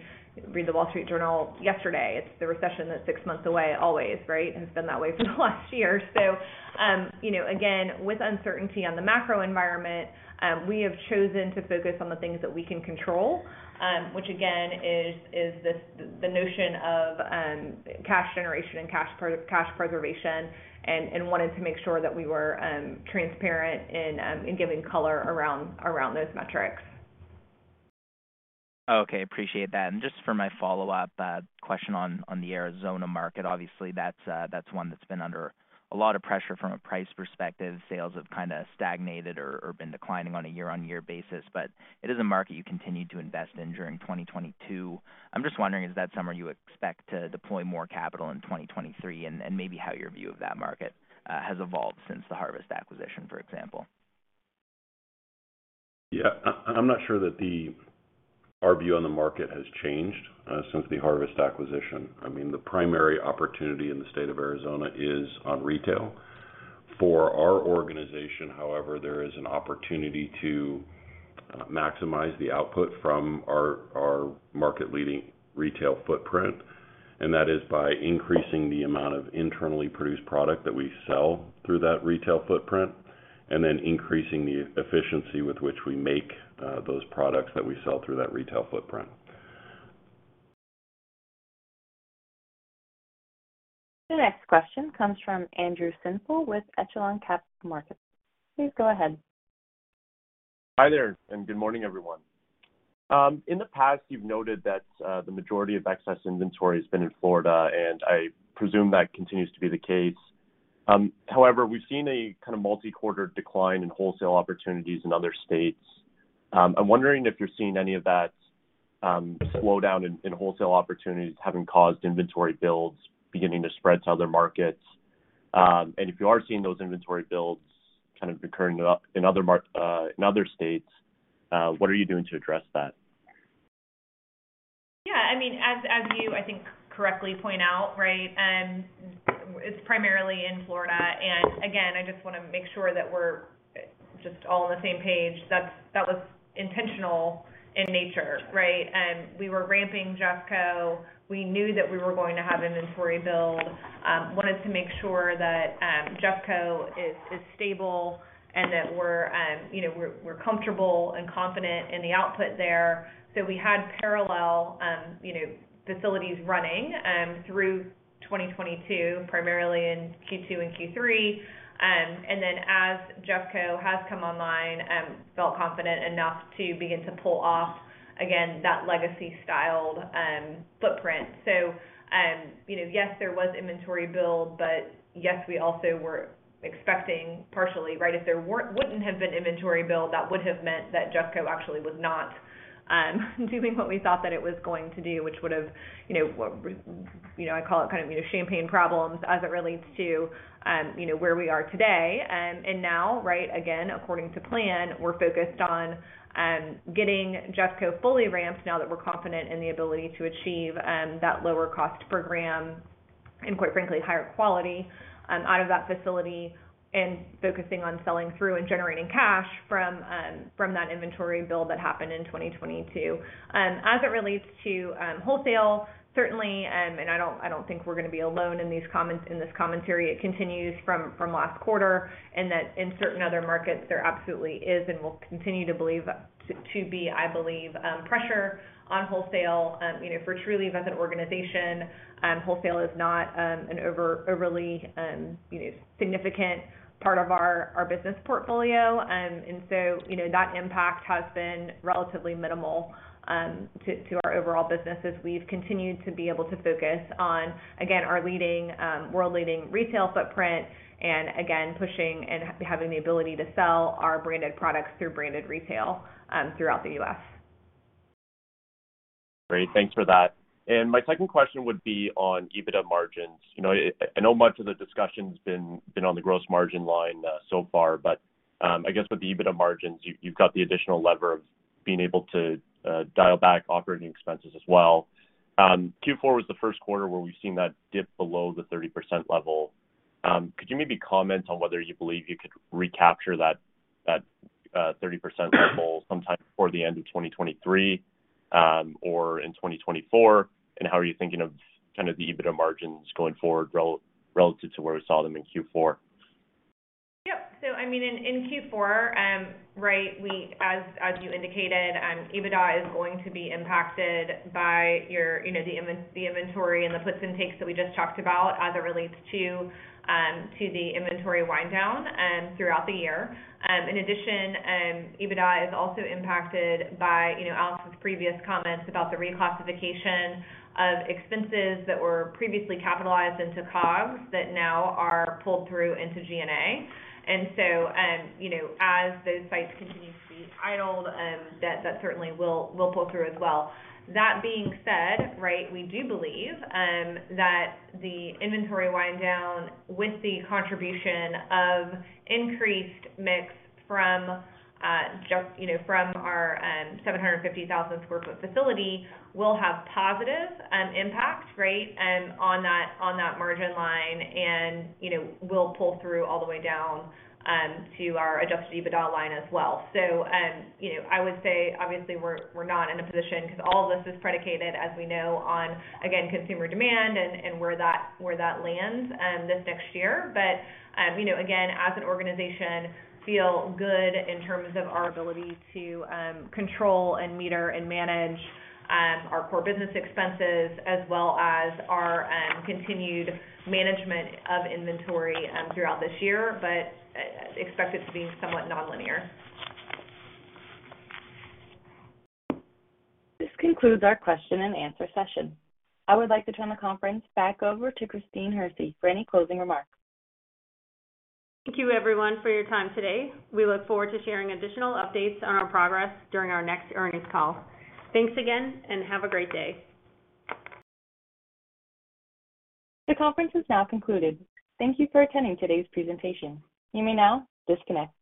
read The Wall Street Journal yesterday. It's the recession that's six months away, always, right? It's been that way for the last year. You know, again, with uncertainty on the macro environment, we have chosen to focus on the things that we can control, which again, is this, the notion of cash generation and cash preservation, and wanted to make sure that we were transparent in giving color around those metrics. Okay, appreciate that. Just for my follow-up question on the Arizona market, obviously that's one that's been under a lot of pressure from a price perspective. Sales have kinda stagnated or been declining on a year-on-year basis, but it is a market you continued to invest in during 2022. I'm just wondering, is that somewhere you expect to deploy more capital in 2023? Maybe how your view of that market has evolved since the Harvest acquisition, for example. Yeah. I'm not sure that our view on the market has changed since the Harvest acquisition. I mean, the primary opportunity in the state of Arizona is on retail. For our organization, however, there is an opportunity to maximize the output from our market-leading retail footprint, and that is by increasing the amount of internally produced product that we sell through that retail footprint, and then increasing the efficiency with which we make those products that we sell through that retail footprint. The next question comes from Andrew Semple with Echelon Capital Markets. Please go ahead. Hi there, good morning, everyone. In the past, you've noted that the majority of excess inventory has been in Florida, and I presume that continues to be the case. However, we've seen a kinda multi-quarter decline in wholesale opportunities in other states. I'm wondering if you're seeing any of that slowdown in wholesale opportunities having caused inventory builds beginning to spread to other markets. If you are seeing those inventory builds kind of occurring in other states, what are you doing to address that? Yeah, I mean, as you, I think, correctly point out, right. It's primarily in Florida. Again, I just wanna make sure that we're just all on the same page. That was intentional in nature, right. We were ramping JeffCo. We knew that we were going to have inventory build. Wanted to make sure that JeffCo is stable and that we're, you know, we're comfortable and confident in the output there. We had parallel, you know, facilities running through 2022, primarily in Q2 and Q3. As JeffCo has come online, felt confident enough to begin to pull off again that legacy-styled footprint. Yes, you know, yes, there was inventory build, but yes, we also were expecting partially, right. If there weren't, wouldn't have been inventory build, that would have meant that Jefferson County actually was not doing what we thought that it was going to do, which would've, you know, you know, I call it kind of, you know, champagne problems as it relates to, you know, where we are today. Now, right again, according to plan, we're focused on getting Jefferson County fully ramped now that we're confident in the ability to achieve that lower cost per gram and quite frankly, higher quality out of that facility and focusing on selling through and generating cash from that inventory build that happened in 2022. As it relates to wholesale, certainly, I don't think we're gonna be alone in these comments, in this commentary. It continues from last quarter. That in certain other markets there absolutely is and will continue to believe to be, I believe, pressure on wholesale. You know, for Trulieve as an organization, wholesale is not an overly, you know, significant part of our business portfolio. You know, that impact has been relatively minimal to our overall business as we've continued to be able to focus on, again, our leading, world-leading retail footprint, and again, pushing and having the ability to sell our branded products through branded retail throughout the U.S. Great. Thanks for that. My second question would be on EBITDA margins. You know, I know much of the discussion's been on the gross margin line so far, I guess with the EBITDA margins, you've got the additional lever of being able to dial back operating expenses as well. Q4 was the first quarter where we've seen that dip below the 30% level. Could you maybe comment on whether you believe you could recapture that 30% level sometime before the end of 2023 or in 2024? How are you thinking of kind of the EBITDA margins going forward relative to where we saw them in Q4? Yep. I mean, in Q4, right, we as you indicated, EBITDA is going to be impacted by your, you know, the inventory and the puts and takes that we just talked about as it relates to the inventory wind down throughout the year. In addition, EBITDA is also impacted by, you know, Alex's previous comments about the reclassification of expenses that were previously capitalized into COGS that now are pulled through into G&A. you know, as those sites continue to be idled, that certainly will pull through as well. That being said, we do believe that the inventory wind down with the contribution of increased mix from, you know, from our 750,000 sq ft facility will have positive impact on that margin line and, you know, will pull through all the way down to our Adjusted EBITDA line as well. You know, I would say obviously we're not in a position 'cause all of this is predicated, as we know, on, again, consumer demand and where that lands this next year. You know, again, as an organization feel good in terms of our ability to control and meter and manage our core business expenses as well as our continued management of inventory throughout this year. Expect it to be somewhat non-linear. This concludes our question and answer session. I would like to turn the conference back over to Christine Hersey for any closing remarks. Thank you everyone for your time today. We look forward to sharing additional updates on our progress during our next earnings call. Thanks again and have a great day. The conference is now concluded. Thank you for attending today's presentation. You may now disconnect.